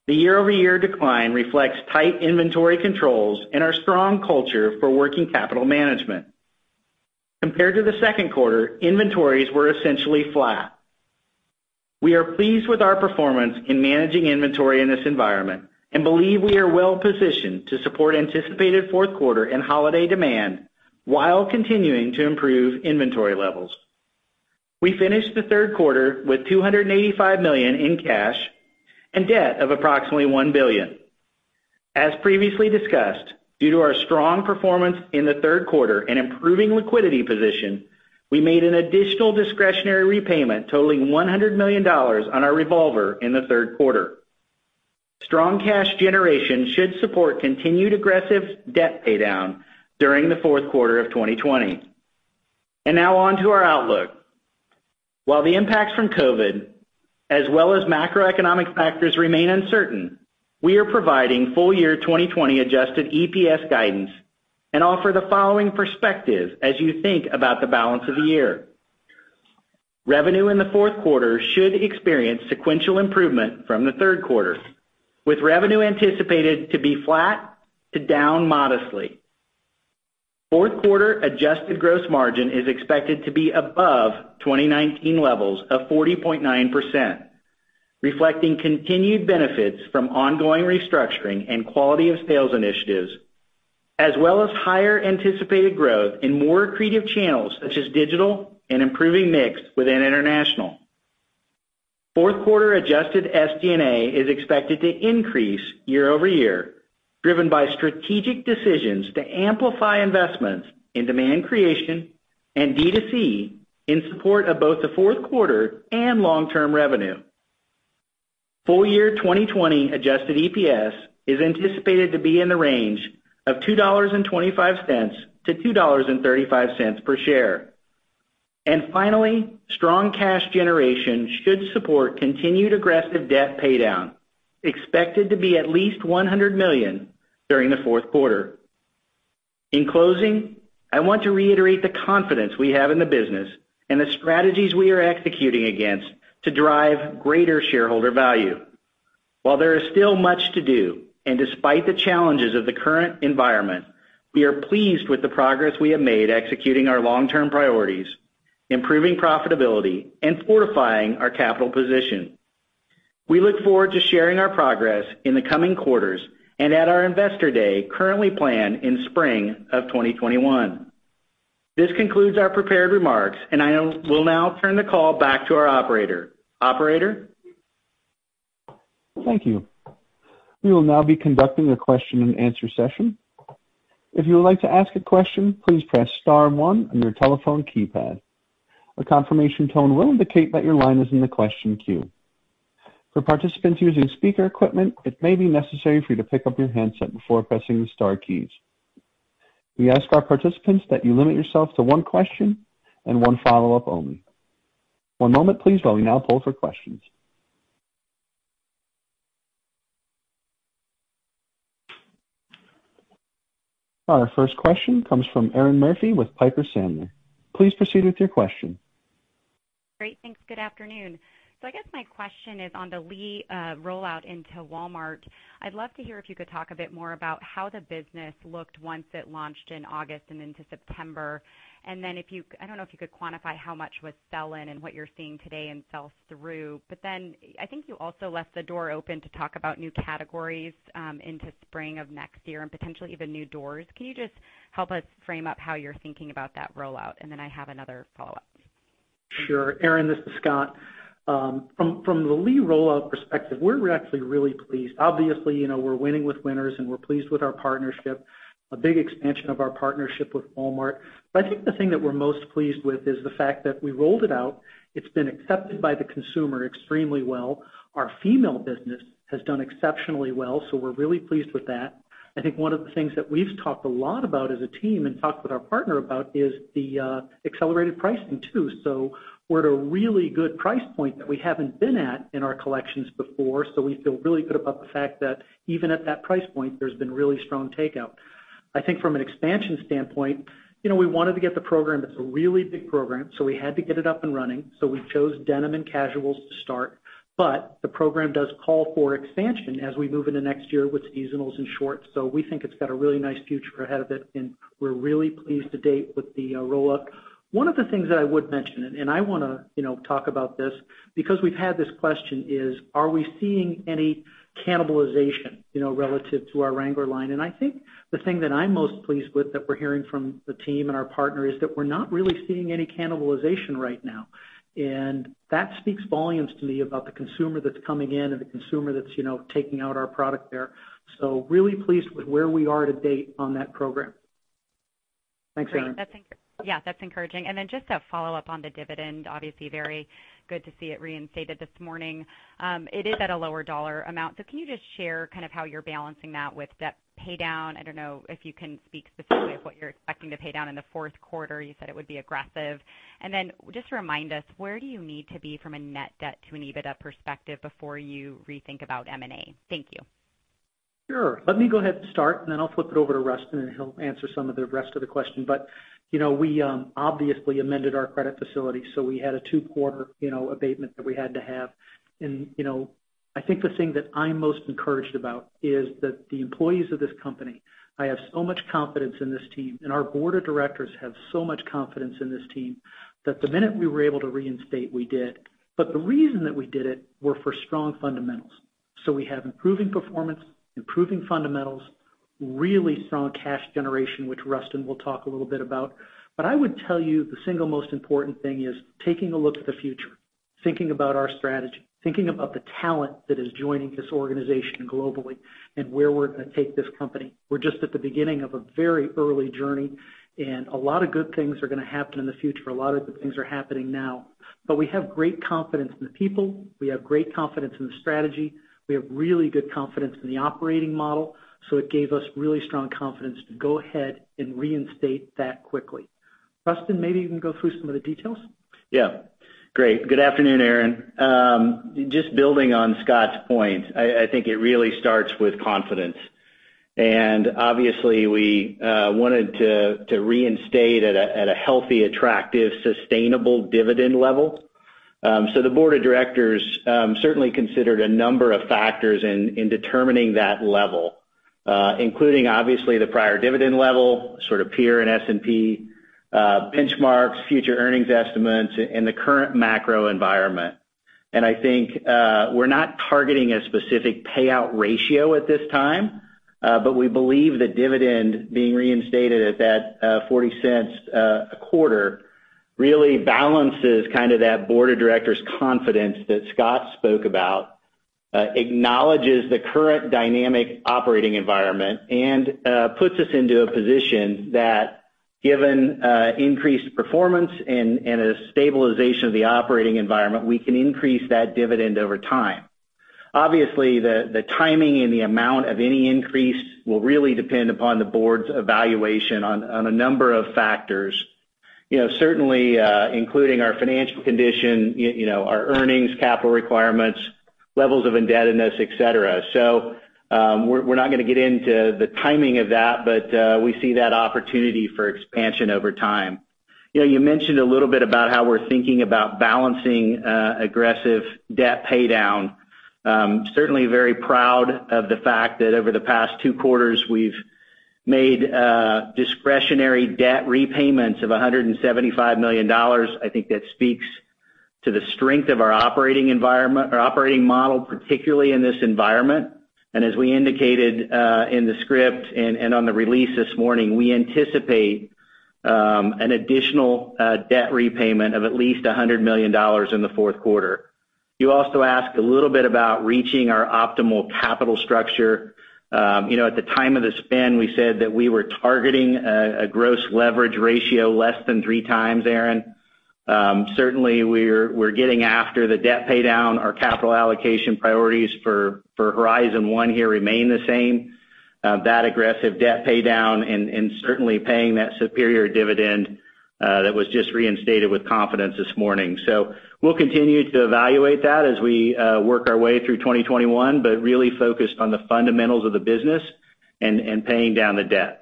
The year-over-year decline reflects tight inventory controls and our strong culture for working capital management. Compared to the second quarter, inventories were essentially flat. We are pleased with our performance in managing inventory in this environment and believe we are well positioned to support anticipated fourth quarter and holiday demand while continuing to improve inventory levels. We finished the third quarter with $285 million in cash and debt of approximately $1 billion. As previously discussed, due to our strong performance in the third quarter and improving liquidity position, we made an additional discretionary repayment totaling $100 million on our revolver in the third quarter. Strong cash generation should support continued aggressive debt paydown during the fourth quarter of 2020. Now on to our outlook. While the impacts from COVID as well as macroeconomic factors remain uncertain, we are providing full year 2020 adjusted EPS guidance and offer the following perspective as you think about the balance of the year. Revenue in the fourth quarter should experience sequential improvement from the third quarter, with revenue anticipated to be flat to down modestly. Fourth quarter adjusted gross margin is expected to be above 2019 levels of 40.9%, reflecting continued benefits from ongoing restructuring and quality of sales initiatives, as well as higher anticipated growth in more accretive channels such as digital and improving mix within international. Fourth quarter adjusted SG&A is expected to increase year-over-year, driven by strategic decisions to amplify investments in demand creation and D2C in support of both the fourth quarter and long-term revenue. Full year 2020 adjusted EPS is anticipated to be in the range of $2.25-$2.35 per share. Finally, strong cash generation should support continued aggressive debt paydown, expected to be at least $100 million during the fourth quarter. In closing, I want to reiterate the confidence we have in the business and the strategies we are executing against to drive greater shareholder value. While there is still much to do, and despite the challenges of the current environment, we are pleased with the progress we have made executing our long-term priorities, improving profitability, and fortifying our capital position. We look forward to sharing our progress in the coming quarters and at our Investor Day currently planned in spring of 2021. This concludes our prepared remarks, and I will now turn the call back to our operator. Operator? Thank you. We will now be conducting a question-and-answer session. If you like to ask a question, please press star one on your telephone keypad. A confirmation tone will indicate that your line is in the question queue. For participants using speaker equipment, it may be necessary for you to pick up your handset before pressing the star key. We ask our participants to limit yourself to one question and one follow-up only. One moment while we now poll for questions. Our first question comes from Erinn Murphy with Piper Sandler. Please proceed with your question. Great. Thanks. Good afternoon. I guess my question is on the Lee rollout into Walmart. I'd love to hear if you could talk a bit more about how the business looked once it launched in August and into September. I don't know if you could quantify how much was sell-in and what you're seeing today in sell-through, I think you also left the door open to talk about new categories into spring of next year and potentially even new doors. Can you just help us frame up how you're thinking about that rollout? I have another follow-up. Sure. Erinn, this is Scott. From the Lee rollout perspective, we're actually really pleased. Obviously, we're winning with winners, and we're pleased with our partnership, a big expansion of our partnership with Walmart. I think the thing that we're most pleased with is the fact that we rolled it out. It's been accepted by the consumer extremely well. Our female business has done exceptionally well, we're really pleased with that. I think one of the things that we've talked a lot about as a team and talked with our partner about is the accelerated pricing, too. We're at a really good price point that we haven't been at in our collections before. We feel really good about the fact that even at that price point, there's been really strong takeout. I think from an expansion standpoint, we wanted to get the program. It's a really big program, so we had to get it up and running. We chose denim and casuals to start. The program does call for expansion as we move into next year with seasonals and shorts. We think it's got a really nice future ahead of it, and we're really pleased to date with the rollout. One of the things that I would mention, and I want to talk about this because we've had this question, is, are we seeing any cannibalization relative to our Wrangler line? I think the thing that I'm most pleased with that we're hearing from the team and our partner is that we're not really seeing any cannibalization right now, and that speaks volumes to me about the consumer that's coming in and the consumer that's taking out our product there. Really pleased with where we are to date on that program. Thanks, Erinn. Yeah, that's encouraging. Just a follow-up on the dividend, obviously very good to see it reinstated this morning. It is at a lower dollar amount. Can you just share how you're balancing that with debt paydown? I don't know if you can speak specifically of what you're expecting to pay down in the fourth quarter. You said it would be aggressive. Just remind us, where do you need to be from a net debt to an EBITDA perspective before you rethink about M&A? Thank you. Sure. Let me go ahead and start, and then I'll flip it over to Rustin, and he'll answer some of the rest of the question. We obviously amended our credit facility, so we had a two-quarter abatement that we had to have. I think the thing that I'm most encouraged about is that the employees of this company, I have so much confidence in this team, and our Board of Directors have so much confidence in this team, that the minute we were able to reinstate, we did. The reason that we did it were for strong fundamentals. We have improving performance, improving fundamentals, really strong cash generation, which Rustin will talk a little bit about. I would tell you the single most important thing is taking a look at the future, thinking about our strategy, thinking about the talent that is joining this organization globally and where we're going to take this company. We're just at the beginning of a very early journey, and a lot of good things are going to happen in the future. A lot of good things are happening now. We have great confidence in the people. We have great confidence in the strategy. We have really good confidence in the operating model. It gave us really strong confidence to go ahead and reinstate that quickly. Rustin, maybe you can go through some of the details. Yeah. Great. Good afternoon, Erinn. Just building on Scott's point, I think it really starts with confidence. Obviously, we wanted to reinstate at a healthy, attractive, sustainable dividend level. The Board of Directors certainly considered a number of factors in determining that level including obviously the prior dividend level, sort of peer and S&P benchmarks, future earnings estimates, and the current macro environment. I think we're not targeting a specific payout ratio at this time, but we believe the dividend being reinstated at that $0.40 a quarter really balances that Board of Directors' confidence that Scott spoke about, acknowledges the current dynamic operating environment, and puts us into a position that given increased performance and a stabilization of the operating environment, we can increase that dividend over time. Obviously, the timing and the amount of any increase will really depend upon the Board's evaluation on a number of factors. Certainly including our financial condition, our earnings, capital requirements, levels of indebtedness, et cetera. We're not going to get into the timing of that, but we see that opportunity for expansion over time. You mentioned a little bit about how we're thinking about balancing aggressive debt paydown. Certainly very proud of the fact that over the past two quarters, we've made discretionary debt repayments of $175 million. I think that speaks to the strength of our operating model, particularly in this environment. As we indicated in the script and on the release this morning, we anticipate an additional debt repayment of at least $100 million in the fourth quarter. You also asked a little bit about reaching our optimal capital structure. At the time of the spin, we said that we were targeting a gross leverage ratio less than 3x, Erinn. Certainly, we're getting after the debt paydown. Our capital allocation priorities for Horizon 1 here remain the same. That aggressive debt paydown and certainly paying that superior dividend that was just reinstated with confidence this morning. We'll continue to evaluate that as we work our way through 2021, but really focused on the fundamentals of the business and paying down the debt.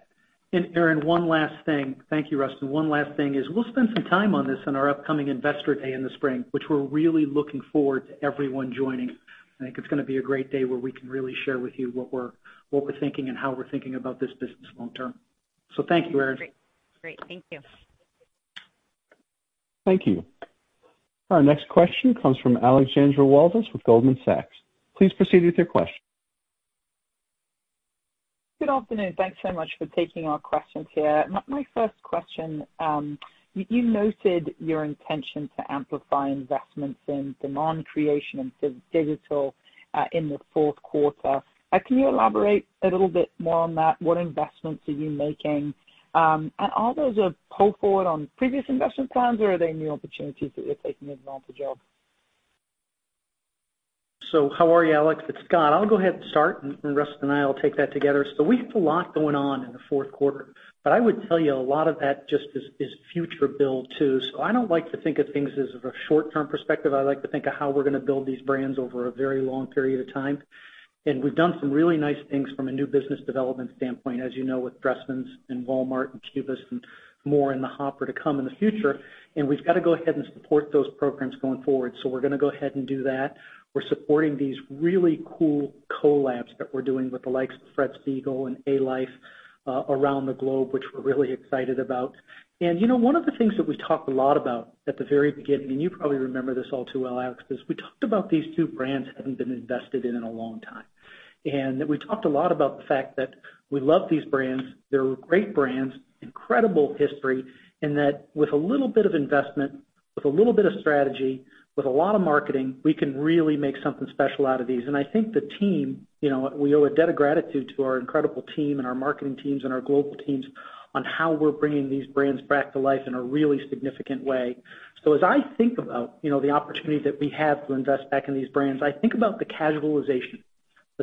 Erinn, one last thing. Thank you, Rustin. One last thing is we'll spend some time on this in our upcoming Investor Day in the spring, which we're really looking forward to everyone joining. I think it's going to be a great day where we can really share with you what we're thinking and how we're thinking about this business long term. Thank you, Erinn. Great. Thank you. Thank you. Our next question comes from Alexandra Walvis with Goldman Sachs. Please proceed with your question. Good afternoon. Thanks so much for taking our questions here. My first question, you noted your intention to amplify investments in demand creation and digital in the fourth quarter. Can you elaborate a little bit more on that? What investments are you making? Are those a pull forward on previous investment plans or are they new opportunities that you're taking advantage of? How are you, Alex? It's Scott. I'll go ahead and start and Rustin and I will take that together. We have a lot going on in the fourth quarter, but I would tell you a lot of that just is future build too. I don't like to think of things as of a short term perspective. I like to think of how we're going to build these brands over a very long period of time. We've done some really nice things from a new business development standpoint, as you know, with Dressmann and Walmart and Cubus and more in the hopper to come in the future. We've got to go ahead and support those programs going forward. We're going to go ahead and do that. We're supporting these really cool collabs that we're doing with the likes of Fred Segal and Alife, around the globe, which we're really excited about. One of the things that we talked a lot about at the very beginning, and you probably remember this all too well, Alex, is we talked about these two brands haven't been invested in in a long time. That we talked a lot about the fact that we love these brands. They're great brands, incredible history, and that with a little bit of investment, with a little bit of strategy, with a lot of marketing, we can really make something special out of these. I think the team, we owe a debt of gratitude to our incredible team and our marketing teams and our global teams on how we're bringing these brands back to life in a really significant way. As I think about the opportunities that we have to invest back in these brands, I think about the casualization that's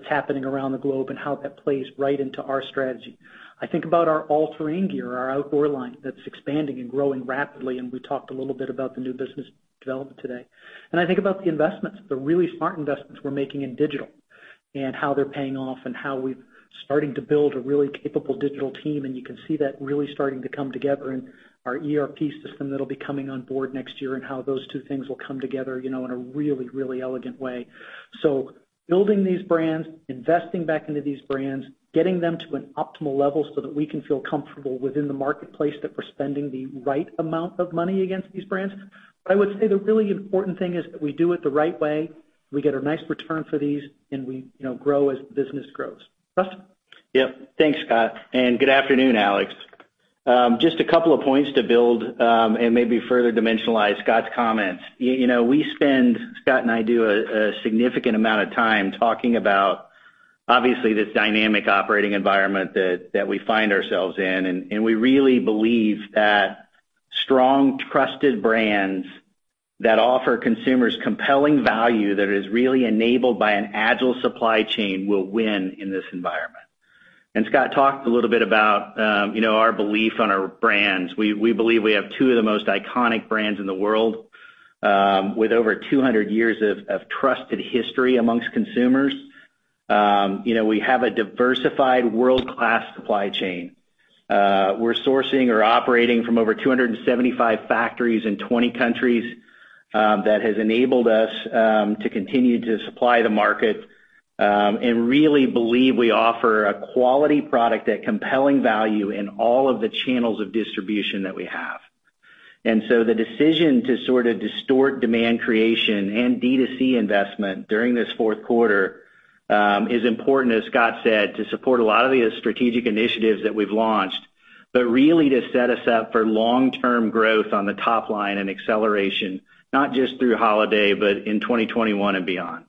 happening around the globe and how that plays right into our strategy. I think about our All Terrain Gear, our Outdoor line that's expanding and growing rapidly, and we talked a little bit about the new business development today. I think about the investments, the really smart investments we're making in digital and how they're paying off and how we're starting to build a really capable digital team, and you can see that really starting to come together in our ERP system that'll be coming on board next year and how those two things will come together in a really, really elegant way. Building these brands, investing back into these brands, getting them to an optimal level so that we can feel comfortable within the marketplace that we're spending the right amount of money against these brands. I would say the really important thing is that we do it the right way. We get a nice return for these and we grow as the business grows. Rustin? Yep. Thanks, Scott. Good afternoon, Alex. Just a couple of points to build, and maybe further dimensionalize Scott's comments. We spend, Scott and I do, a significant amount of time talking about, obviously, this dynamic operating environment that we find ourselves in. We really believe that strong, trusted brands that offer consumers compelling value that is really enabled by an agile supply chain will win in this environment. Scott talked a little bit about our belief on our brands. We believe we have two of the most iconic brands in the world, with over 200 years of trusted history amongst consumers. We have a diversified world-class supply chain. We're sourcing or operating from over 275 factories in 20 countries. That has enabled us to continue to supply the market, and really believe we offer a quality product at compelling value in all of the channels of distribution that we have. The decision to sort of distort demand creation and D2C investment during this fourth quarter, is important, as Scott said, to support a lot of the strategic initiatives that we've launched, but really to set us up for long-term growth on the top line and acceleration, not just through holiday, but in 2021 and beyond.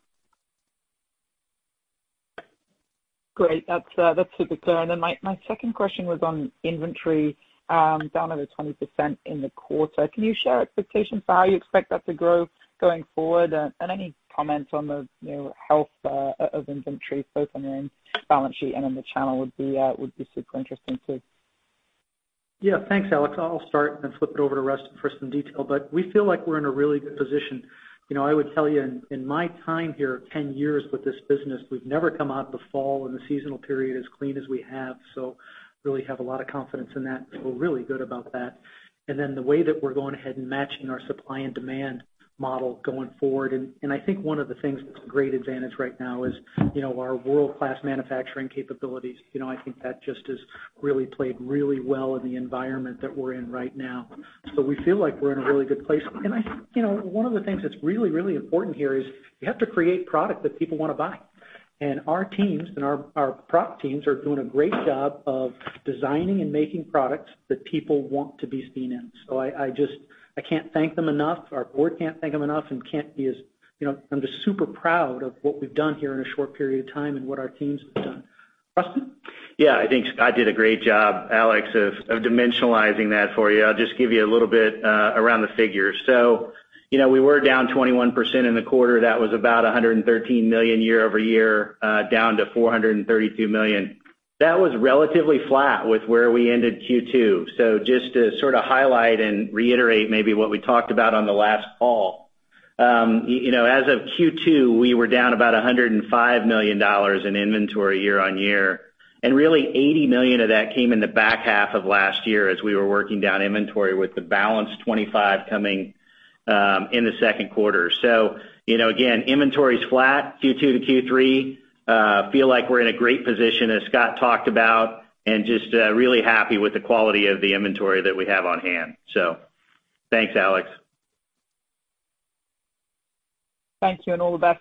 Great. That's a good turn. My second question was on inventory down over 20% in the quarter. Can you share expectations for how you expect that to grow going forward? Any comments on the health of inventory both on the balance sheet and in the channel would be super interesting too. Yeah. Thanks, Alex. I'll start and then flip it over to Rustin for some detail. We feel like we're in a really good position. I would tell you in my time here, 10 years with this business, we've never come out of the fall and the seasonal period as clean as we have. Really have a lot of confidence in that. Feel really good about that. The way that we're going ahead and matching our supply and demand model going forward. I think one of the things that's a great advantage right now is our world-class manufacturing capabilities. I think that just has really played really well in the environment that we're in right now. We feel like we're in a really good place. One of the things that's really, really important here is you have to create product that people want to buy. Our teams and our product teams are doing a great job of designing and making products that people want to be seen in. I can't thank them enough. Our Board can't thank them enough and I'm just super proud of what we've done here in a short period of time and what our teams have done. Rustin? Yeah, I think Scott did a great job, Alex, of dimensionalizing that for you. I'll just give you a little bit around the figures. We were down 21% in the quarter. That was about $113 million year-over-year, down to $432 million. That was relatively flat with where we ended Q2. Just to sort of highlight and reiterate maybe what we talked about on the last call. As of Q2, we were down about $105 million in inventory year-on-year. Really $80 million of that came in the back half of last year as we were working down inventory with the balance $25 million coming in the second quarter. Again, inventory's flat Q2 to Q3. Feel like we're in a great position as Scott talked about and just really happy with the quality of the inventory that we have on hand. Thanks, Alex. Thank you, and all the best.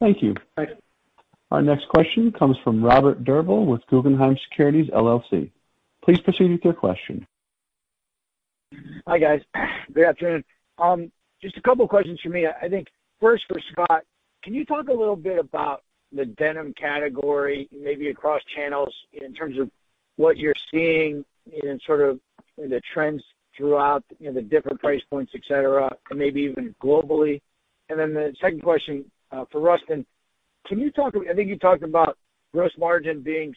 Thank you. Our next question comes from Robert Drbul with Guggenheim Securities, LLC. Please proceed with your question. Hi, guys. Good afternoon. Just a couple of questions from me. I think first for Scott, can you talk a little bit about the denim category, maybe across channels in terms of what you're seeing in sort of the trends throughout the different price points, et cetera, or maybe even globally? Then the second question for Rustin. I think you talked about gross margin being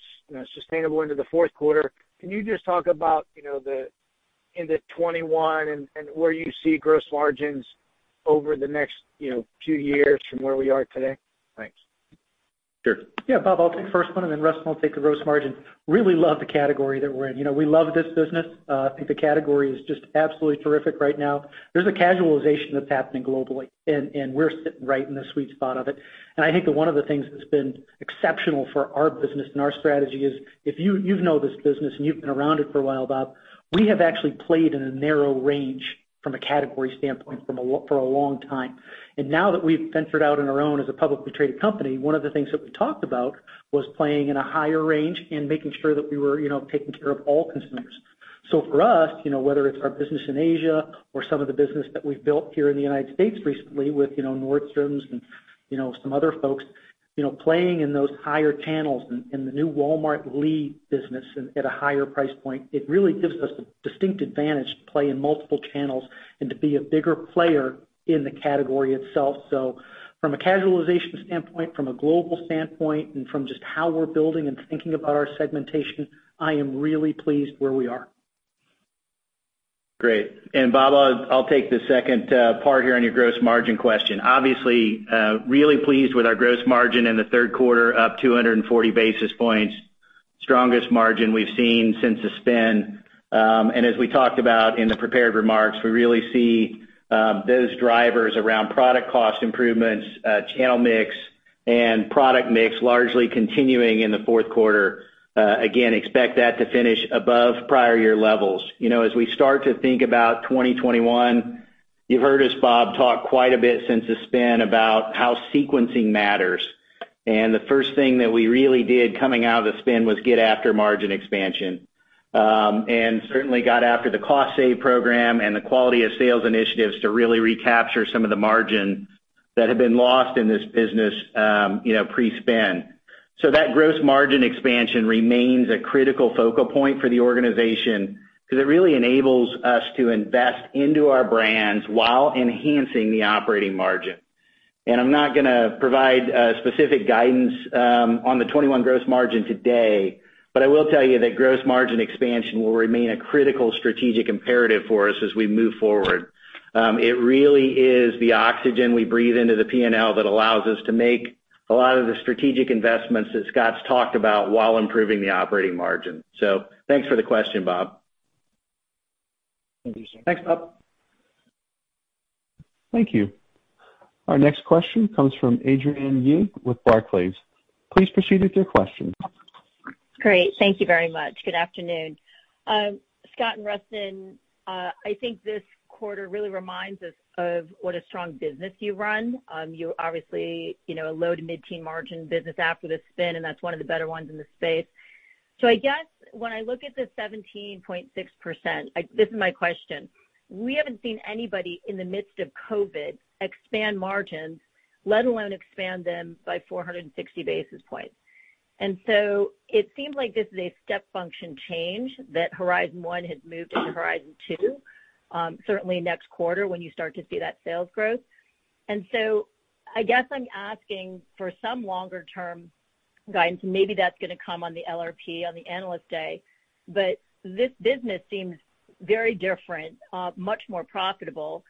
sustainable into the fourth quarter. Can you just talk about into 2021 and where you see gross margins over the next few years from where we are today? Thanks. Sure. Yeah, Bob, I'll take the first one, and then Rustin will take the gross margin. Really love the category that we're in. We love this business. I think the category is just absolutely terrific right now. There's a casualization that's happening globally, we're sitting right in the sweet spot of it. I think that one of the things that's been exceptional for our business and our strategy is, you know this business and you've been around it for a while, Bob. We have actually played in a narrow range from a category standpoint for a long time. Now that we've ventured out on our own as a publicly traded company, one of the things that we talked about was playing in a higher range and making sure that we were taking care of all consumers. For us, whether it's our business in Asia or some of the business that we've built here in the United States recently with Nordstrom and some other folks, playing in those higher channels and the new Walmart Lee business at a higher price point, it really gives us a distinct advantage to play in multiple channels and to be a bigger player in the category itself. From a casualization standpoint, from a global standpoint, and from just how we're building and thinking about our segmentation, I am really pleased where we are. Great. Bob, I'll take the second part here on your gross margin question. Obviously, really pleased with our gross margin in the third quarter, up 240 basis points. Strongest margin we've seen since the spin. As we talked about in the prepared remarks, we really see those drivers around product cost improvements, channel mix, and product mix largely continuing in the fourth quarter. Again, expect that to finish above prior year levels. As we start to think about 2021, you've heard us, Bob, talk quite a bit since the spin about how sequencing matters. The first thing that we really did coming out of the spin was get after margin expansion, and certainly got after the cost save program and the quality of sales initiatives to really recapture some of the margin that had been lost in this business pre-spin. That gross margin expansion remains a critical focal point for the organization because it really enables us to invest into our brands while enhancing the operating margin. I'm not going to provide specific guidance on the 2021 gross margin today, but I will tell you that gross margin expansion will remain a critical strategic imperative for us as we move forward. It really is the oxygen we breathe into the P&L that allows us to make a lot of the strategic investments that Scott's talked about while improving the operating margin. Thanks for the question, Bob. Thank you, sir. Thanks, Bob. Thank you. Our next question comes from Adrienne Yih with Barclays. Please proceed with your question. Great. Thank you very much. Good afternoon. Scott and Rustin, I think this quarter really reminds us of what a strong business you run. You're obviously a low to mid-teen margin business after the spin, and that's one of the better ones in the space. I guess when I look at the 17.6%, this is my question. We haven't seen anybody in the midst of COVID expand margins, let alone expand them by 460 basis points. It seems like this is a step function change that Horizon 1 has moved to Horizon 2, certainly next quarter when you start to see that sales growth. I guess I'm asking for some longer term guidance. Maybe that's going to come on the LRP on the Analyst Day. This business seems very different, much more profitable,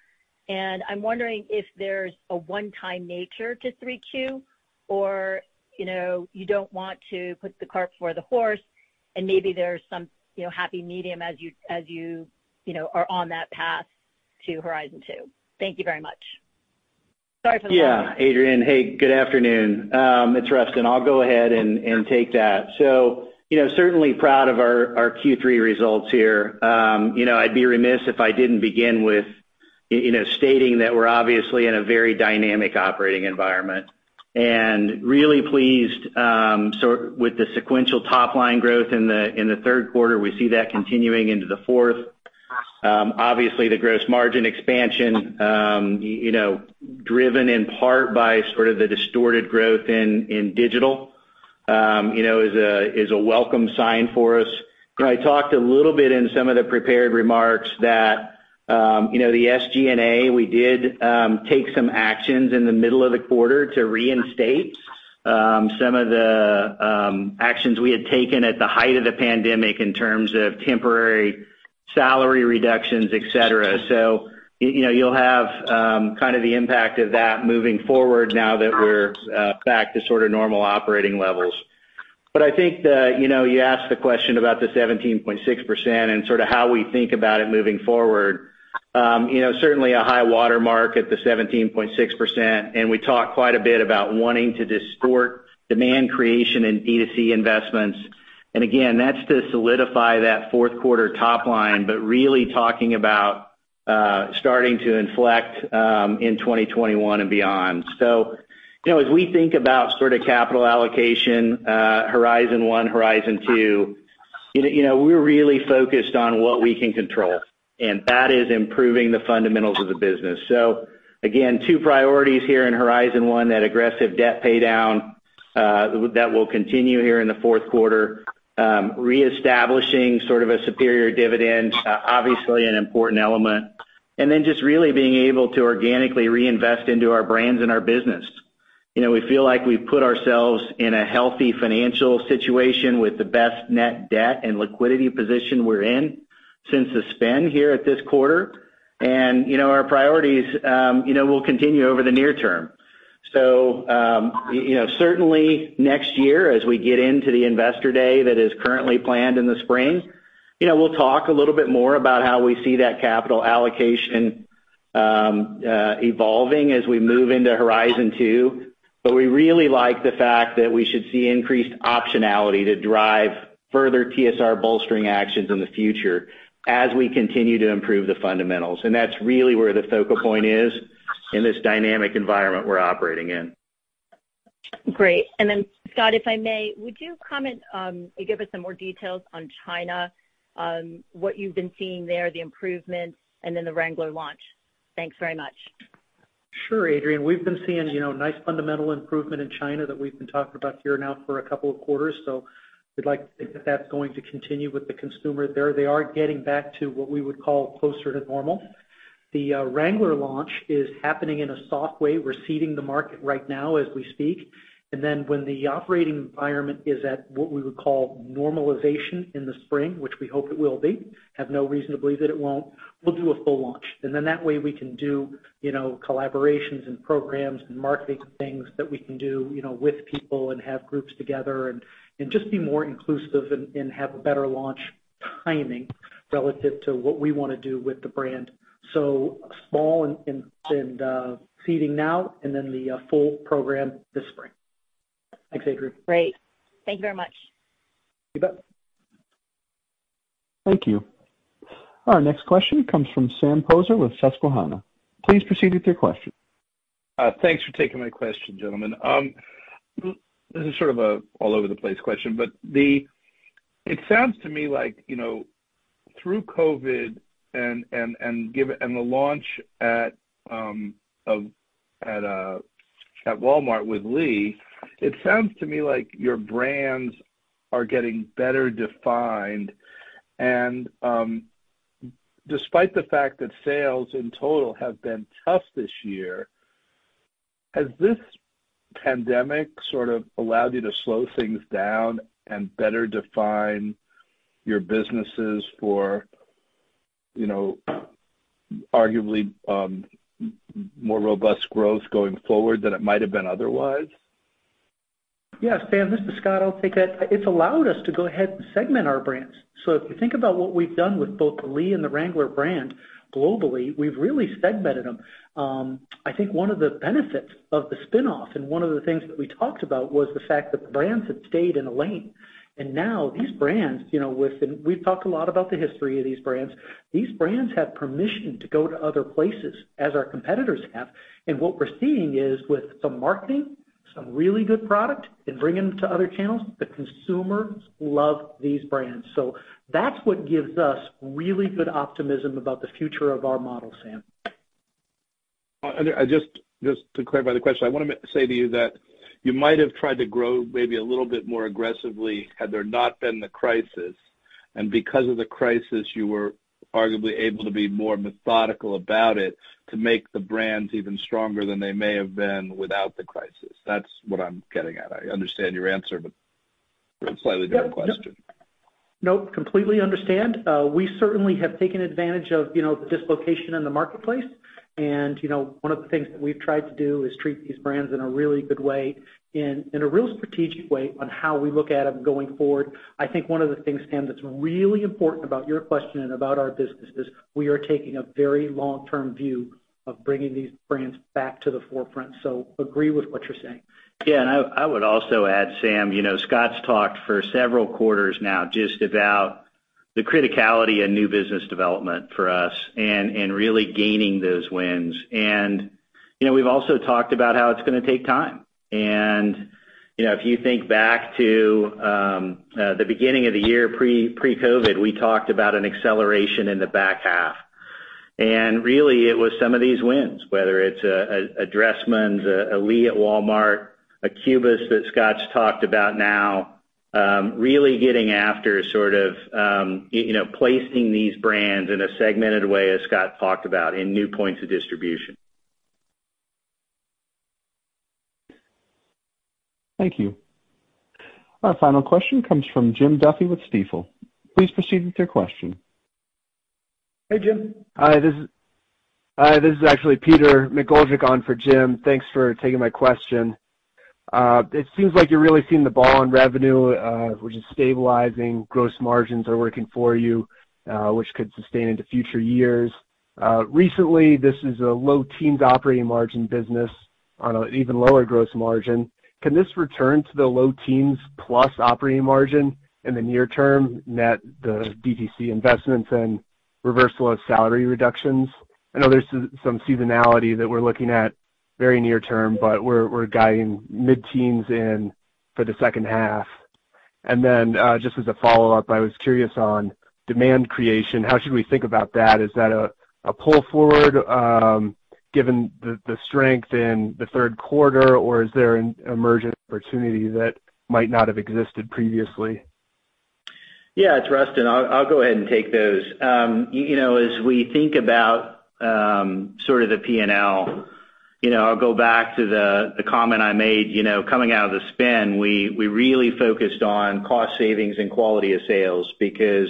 and I'm wondering if there's a one-time nature to 3Q or you don't want to put the cart before the horse and maybe there's some happy medium as you are on that path to Horizon 2. Thank you very much. Sorry for the long one. Adrienne, hey, good afternoon. It's Rustin. I'll go ahead and take that. Certainly proud of our Q3 results here. I'd be remiss if I didn't begin with stating that we're obviously in a very dynamic operating environment. Really pleased with the sequential top line growth in the third quarter. We see that continuing into the fourth. Obviously, the gross margin expansion driven in part by sort of the distorted growth in digital is a welcome sign for us. I talked a little bit in some of the prepared remarks that the SG&A, we did take some actions in the middle of the quarter to reinstate some of the actions we had taken at the height of the pandemic in terms of temporary salary reductions, et cetera. You'll have the impact of that moving forward now that we're back to normal operating levels. I think that you asked the question about the 17.6% and how we think about it moving forward. Certainly a high water mark at the 17.6%, and we talked quite a bit about wanting to distort demand creation and D2C investments. Again, that's to solidify that fourth quarter top line, but really talking about starting to inflect in 2021 and beyond. As we think about sort of capital allocation, Horizon 1, Horizon 2, we're really focused on what we can control, and that is improving the fundamentals of the business. Again, two priorities here in Horizon 1, that aggressive debt pay down that will continue here in the fourth quarter. Re-establishing sort of a superior dividend, obviously an important element, and then just really being able to organically reinvest into our brands and our business. We feel like we've put ourselves in a healthy financial situation with the best net debt and liquidity position we're in since the spin here at this quarter. Our priorities will continue over the near term. Certainly next year as we get into the Investor Day that is currently planned in the spring, we'll talk a little bit more about how we see that capital allocation evolving as we move into Horizon 2. We really like the fact that we should see increased optionality to drive further TSR bolstering actions in the future as we continue to improve the fundamentals. That's really where the focal point is in this dynamic environment we're operating in. Great. Scott, if I may, would you comment, or give us some more details on China, on what you've been seeing there, the improvements, and then the Wrangler launch? Thanks very much. Sure, Adrienne. We've been seeing nice fundamental improvement in China that we've been talking about here now for a couple of quarters. We'd like to think that that's going to continue with the consumer there. They are getting back to what we would call closer to normal. The Wrangler launch is happening in a soft way. We're seeding the market right now as we speak. When the operating environment is at what we would call normalization in the spring, which we hope it will be, have no reason to believe that it won't, we'll do a full launch. That way we can do collaborations and programs and marketing things that we can do with people and have groups together and just be more inclusive and have a better launch timing relative to what we want to do with the brand. Small and seeding now, and then the full program this spring. Thanks, Adrienne. Great. Thank you very much. You bet. Thank you. Our next question comes from Sam Poser with Susquehanna. Please proceed with your question. Thanks for taking my question, gentlemen. This is sort of a all over the place question, it sounds to me like through COVID and the launch at Walmart with Lee, it sounds to me like your brands are getting better defined. Despite the fact that sales in total have been tough this year, has this pandemic sort of allowed you to slow things down and better define your businesses for arguably more robust growth going forward than it might have been otherwise? Yeah, Sam, this is Scott. I'll take that. It's allowed us to go ahead and segment our brands. If you think about what we've done with both the Lee and the Wrangler brand globally, we've really segmented them. I think one of the benefits of the spinoff and one of the things that we talked about was the fact that the brands have stayed in a lane. Now these brands, we've talked a lot about the history of these brands, have permission to go to other places as our competitors have. What we're seeing is with some marketing, some really good product and bringing them to other channels, the consumers love these brands. That's what gives us really good optimism about the future of our model, Sam. Just to clarify the question, I want to say to you that you might have tried to grow maybe a little bit more aggressively had there not been the crisis, and because of the crisis, you were arguably able to be more methodical about it to make the brands even stronger than they may have been without the crisis. That's what I'm getting at. I understand your answer, but slightly different question. Nope, completely understand. We certainly have taken advantage of the dislocation in the marketplace. One of the things that we've tried to do is treat these brands in a really good way and in a real strategic way on how we look at them going forward. I think one of the things, Sam, that's really important about your question and about our business is we are taking a very long-term view of bringing these brands back to the forefront. Agree with what you're saying. Yeah, I would also add, Sam, Scott's talked for several quarters now just about the criticality of new business development for us and really gaining those wins. We've also talked about how it's going to take time. If you think back to the beginning of the year pre-COVID, we talked about an acceleration in the back half. Really it was some of these wins, whether it's a Dressmann, a Lee at Walmart, a Cubus that Scott's talked about now, really getting after sort of placing these brands in a segmented way, as Scott talked about, in new points of distribution. Thank you. Our final question comes from Jim Duffy with Stifel. Please proceed with your question. Hey, Jim. Hi, this is actually Peter McGoldrick on for Jim. Thanks for taking my question. It seems like you're really seeing the ball on revenue, which is stabilizing. Gross margins are working for you, which could sustain into future years. Recently, this is a low teens operating margin business on an even lower gross margin. Can this return to the low teens plus operating margin in the near term, net the DTC investments and reversal of salary reductions. I know there's some seasonality that we're looking at very near term, but we're guiding mid-teens in for the second half. Then, just as a follow-up, I was curious on demand creation. How should we think about that? Is that a pull forward, given the strength in the third quarter, or is there an emergent opportunity that might not have existed previously? Yeah, it's Rustin. I'll go ahead and take those. As we think about sort of the P&L, I'll go back to the comment I made coming out of the spin. We really focused on cost savings and quality of sales because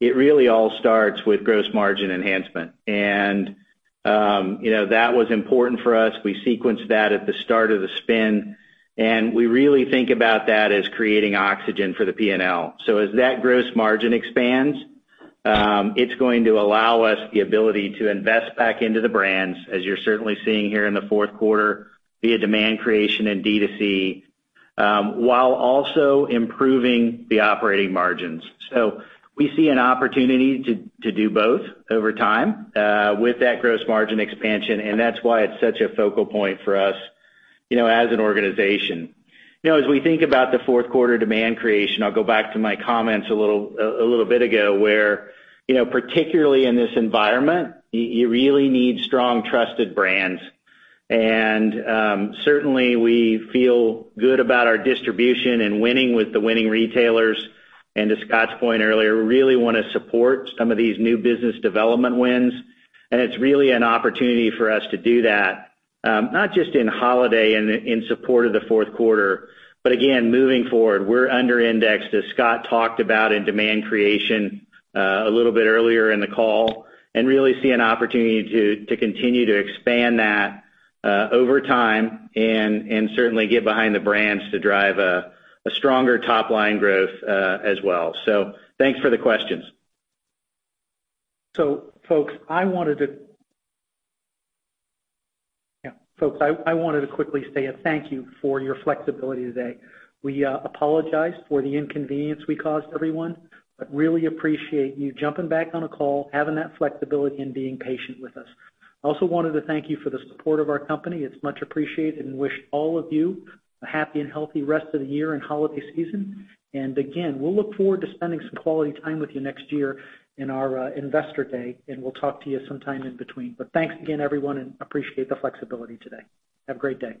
it really all starts with gross margin enhancement. That was important for us. We sequenced that at the start of the spin, and we really think about that as creating oxygen for the P&L. As that gross margin expands, it's going to allow us the ability to invest back into the brands, as you're certainly seeing here in the fourth quarter, via demand creation and D2C, while also improving the operating margins. We see an opportunity to do both over time with that gross margin expansion, and that's why it's such a focal point for us as an organization. As we think about the fourth quarter demand creation, I'll go back to my comments a little bit ago where, particularly in this environment, you really need strong, trusted brands. Certainly, we feel good about our distribution and winning with the winning retailers. To Scott's point earlier, we really want to support some of these new business development wins. It's really an opportunity for us to do that, not just in holiday and in support of the fourth quarter, but again, moving forward. We're under-indexed, as Scott talked about in demand creation a little bit earlier in the call, and really see an opportunity to continue to expand that over time and certainly get behind the brands to drive a stronger top line growth as well. Thanks for the questions. Folks, I wanted to quickly say a thank you for your flexibility today. We apologize for the inconvenience we caused everyone, but really appreciate you jumping back on a call, having that flexibility, and being patient with us. Also wanted to thank you for the support of our company. It's much appreciated, and wish all of you a happy and healthy rest of the year and holiday season. Again, we'll look forward to spending some quality time with you next year in our Investor Day, and we'll talk to you sometime in between. Thanks again, everyone, and appreciate the flexibility today. Have a great day.